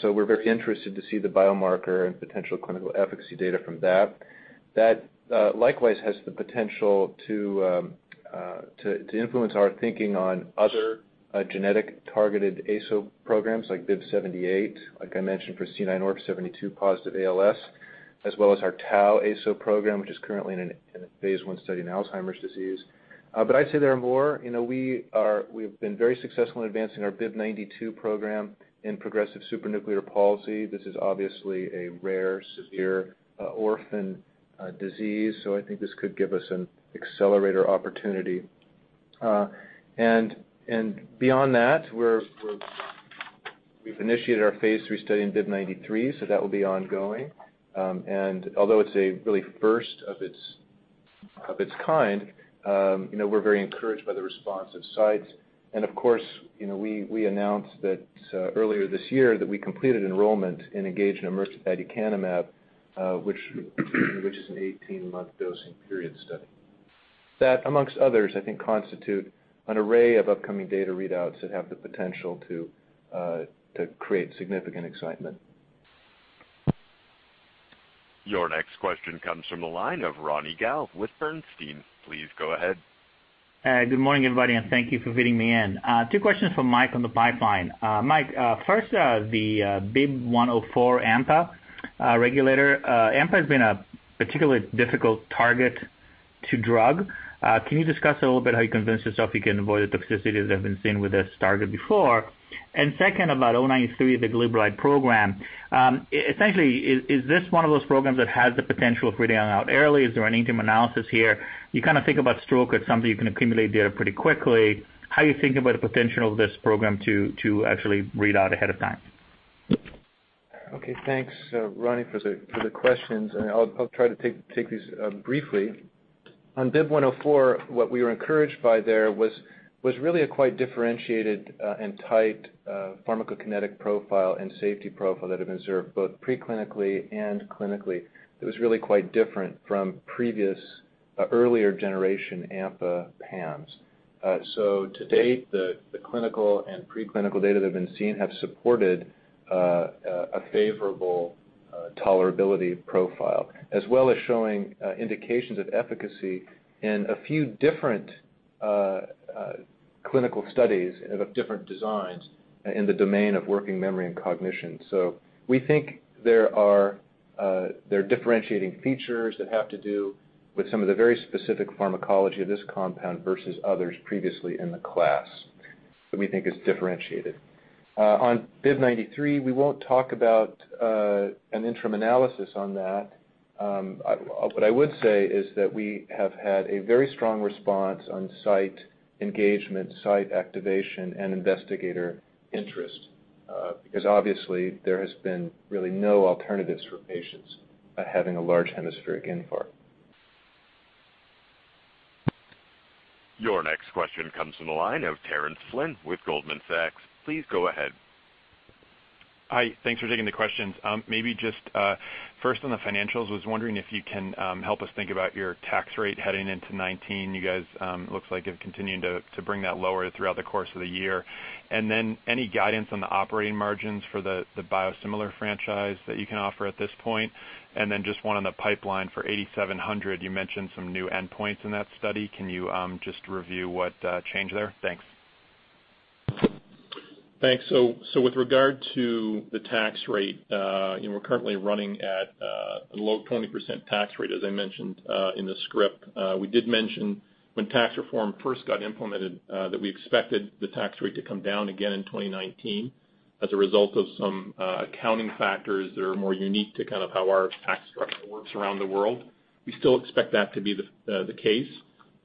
We're very interested to see the biomarker and potential clinical efficacy data from that. That likewise has the potential to To influence our thinking on other genetic targeted ASO programs like BIIB078, like I mentioned for C9orf72 positive ALS, as well as our tau ASO program, which is currently in a phase I study in Alzheimer's disease. I'd say there are more. We've been very successful in advancing our BIIB092 program in progressive supranuclear palsy. This is obviously a rare, severe orphan disease. I think this could give us an accelerator opportunity. Beyond that, we've initiated our phase III study in BIIB093, that will be ongoing. Although it's a really first of its kind, we're very encouraged by the response of sites. Of course, we announced that earlier this year that we completed enrollment and engaged in ENGAGE, which is an 18-month dosing period study. That, among others, I think constitute an array of upcoming data readouts that have the potential to create significant excitement. Your next question comes from the line of Ronny Gal with Bernstein. Please go ahead. Good morning, everybody, and thank you for fitting me in. Two questions for Mike on the pipeline. Mike, first, the BIIB104 AMPA regulator. AMPA has been a particularly difficult target to drug. Can you discuss a little bit how you convince yourself you can avoid the toxicities that have been seen with this target before? Second, about BIIB093, the glibenclamide program. Essentially, is this one of those programs that has the potential of reading out early? Is there an interim analysis here? You think about stroke as something you can accumulate data pretty quickly. How you think about the potential of this program to actually read out ahead of time? Okay. Thanks, Ronny, for the questions. I'll try to take these briefly. On BIIB104, what we were encouraged by there was really a quite differentiated and tight pharmacokinetic profile and safety profile that have been observed both pre-clinically and clinically. It was really quite different from previous earlier generation AMPAkines. To date, the clinical and pre-clinical data that have been seen have supported a favorable tolerability profile, as well as showing indications of efficacy in a few different clinical studies of different designs in the domain of working memory and cognition. We think there are differentiating features that have to do with some of the very specific pharmacology of this compound versus others previously in the class that we think is differentiated. On BIIB093, we won't talk about an interim analysis on that. What I would say is that we have had a very strong response on site engagement, site activation, and investigator interest, because obviously there has been really no alternatives for patients having a large hemispheric infarct. Your next question comes from the line of Terence Flynn with Goldman Sachs. Please go ahead. Hi. Thanks for taking the questions. Maybe just first on the financials, was wondering if you can help us think about your tax rate heading into 2019. You guys looks like you've continued to bring that lower throughout the course of the year. Any guidance on the operating margins for the biosimilar franchise that you can offer at this point? Just one on the pipeline for 8700. You mentioned some new endpoints in that study. Can you just review what changed there? Thanks. Thanks. With regard to the tax rate, we're currently running at a low 20% tax rate, as I mentioned in the script. We did mention when tax reform first got implemented that we expected the tax rate to come down again in 2019 as a result of some accounting factors that are more unique to how our tax structure works around the world. We still expect that to be the case,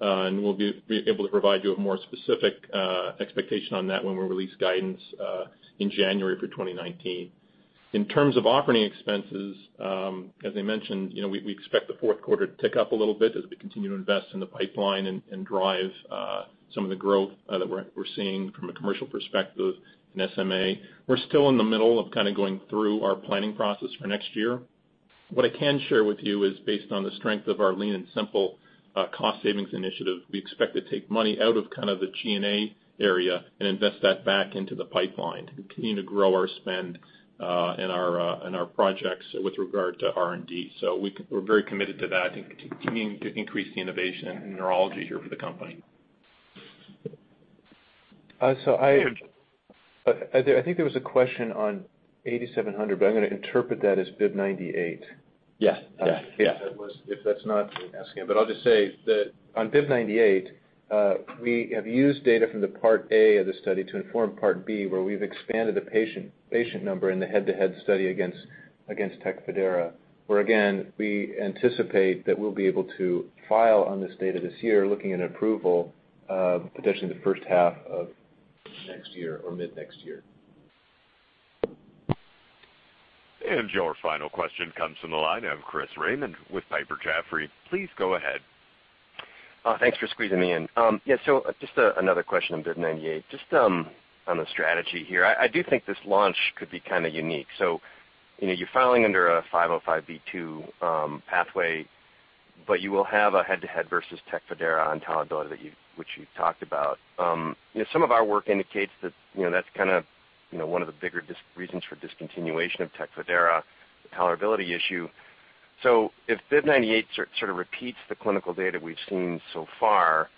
and we'll be able to provide you a more specific expectation on that when we release guidance in January for 2019. In terms of operating expenses, as I mentioned, we expect the fourth quarter to tick up a little bit as we continue to invest in the pipeline and drive some of the growth that we're seeing from a commercial perspective in SMA. We're still in the middle of going through our planning process for next year. What I can share with you is based on the strength of our Lean and Simple cost savings initiative, we expect to take money out of the G&A area and invest that back into the pipeline and continue to grow our spend in our projects with regard to R&D. We're very committed to that and continuing to increase the innovation in neurology here for the company. I think there was a question on 8700, but I'm going to interpret that as BIIB098. Yes. If that's not the asking. I'll just say that on BIIB098, we have used data from the part A of the study to inform part B, where we've expanded the patient number in the head-to-head study against Tecfidera, where again, we anticipate that we'll be able to file on this data this year, looking at approval potentially the first half of next year or mid next year. Your final question comes from the line of Chris Raymond with Piper Jaffray. Please go ahead. Thanks for squeezing me in. Just another question on BIIB098. Just on the strategy here. I do think this launch could be kind of unique. You're filing under a 505(b)(2) pathway, but you will have a head-to-head versus Tecfidera on tolerability, which you've talked about. Some of our work indicates that's one of the bigger reasons for discontinuation of Tecfidera, the tolerability issue. If BIIB098 sort of repeats the clinical data we've seen so far,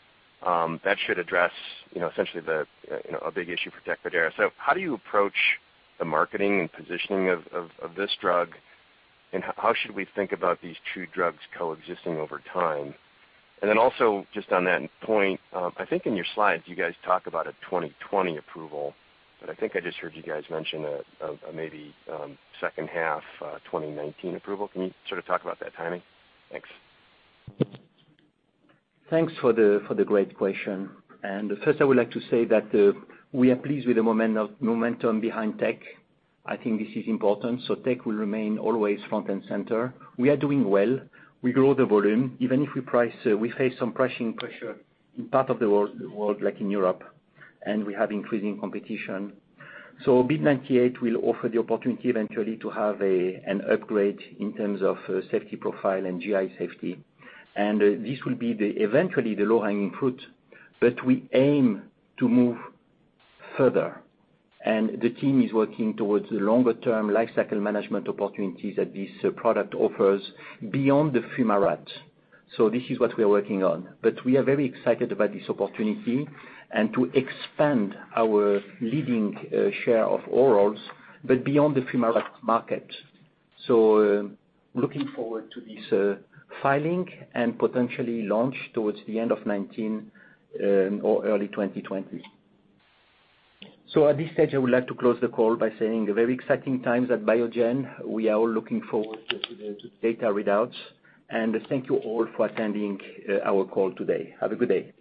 that should address essentially a big issue for Tecfidera. How do you approach the marketing and positioning of this drug, and how should we think about these two drugs coexisting over time? Also just on that point, I think in your slides, you guys talk about a 2020 approval, but I think I just heard you guys mention a maybe second half 2019 approval. Can you sort of talk about that timing? Thanks. Thanks for the great question. First, I would like to say that we are pleased with the momentum behind TECFIDERA. I think this is important. TECFIDERA will remain always front and center. We are doing well. We grow the volume, even if we face some pricing pressure in part of the world, like in Europe, and we have increasing competition. BIIB098 will offer the opportunity eventually to have an upgrade in terms of safety profile and GI safety. This will be eventually the low-hanging fruit. We aim to move further, and the team is working towards the longer-term lifecycle management opportunities that this product offers beyond the fumarate. This is what we are working on. We are very excited about this opportunity and to expand our leading share of orals, but beyond the fumarate market. Looking forward to this filing and potentially launch towards the end of 2019 or early 2020. At this stage, I would like to close the call by saying very exciting times at Biogen. We are all looking forward to the data readouts. Thank you all for attending our call today. Have a good day.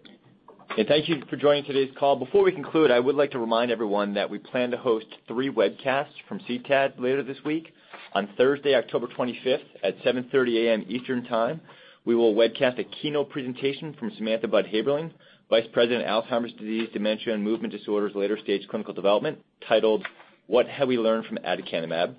Thank you for joining today's call. Before we conclude, I would like to remind everyone that we plan to host 3 webcasts from CTAD later this week. On Thursday, October 25th at 7:30 A.M. Eastern Time, we will webcast a keynote presentation from Samantha Budd Haeberlein, Vice President of Alzheimer's Disease, Dementia, and Movement Disorders Later Stage Clinical Development, titled What Have We Learned From aducanumab?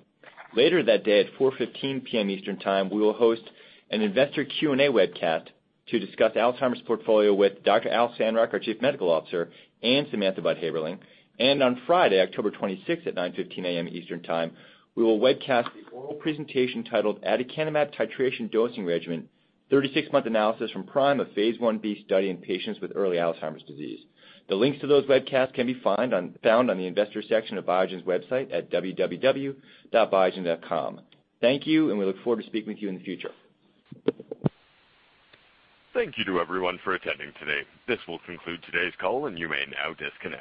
Later that day at 4:15 P.M. Eastern Time, we will host an investor Q&A webcast to discuss Alzheimer's portfolio with Dr. Al Sandrock, our Chief Medical Officer, and Samantha Budd Haeberlein. On Friday, October 26th at 9:15 A.M. Eastern Time, we will webcast the oral presentation titled aducanumab Titration Dosing Regimen: 36-Month Analysis from PRIME, a phase I-B Study in Patients with Early Alzheimer's disease. The links to those webcasts can be found on the investor section of Biogen's website at www.biogen.com. Thank you, and we look forward to speaking with you in the future. Thank you to everyone for attending today. This will conclude today's call, and you may now disconnect.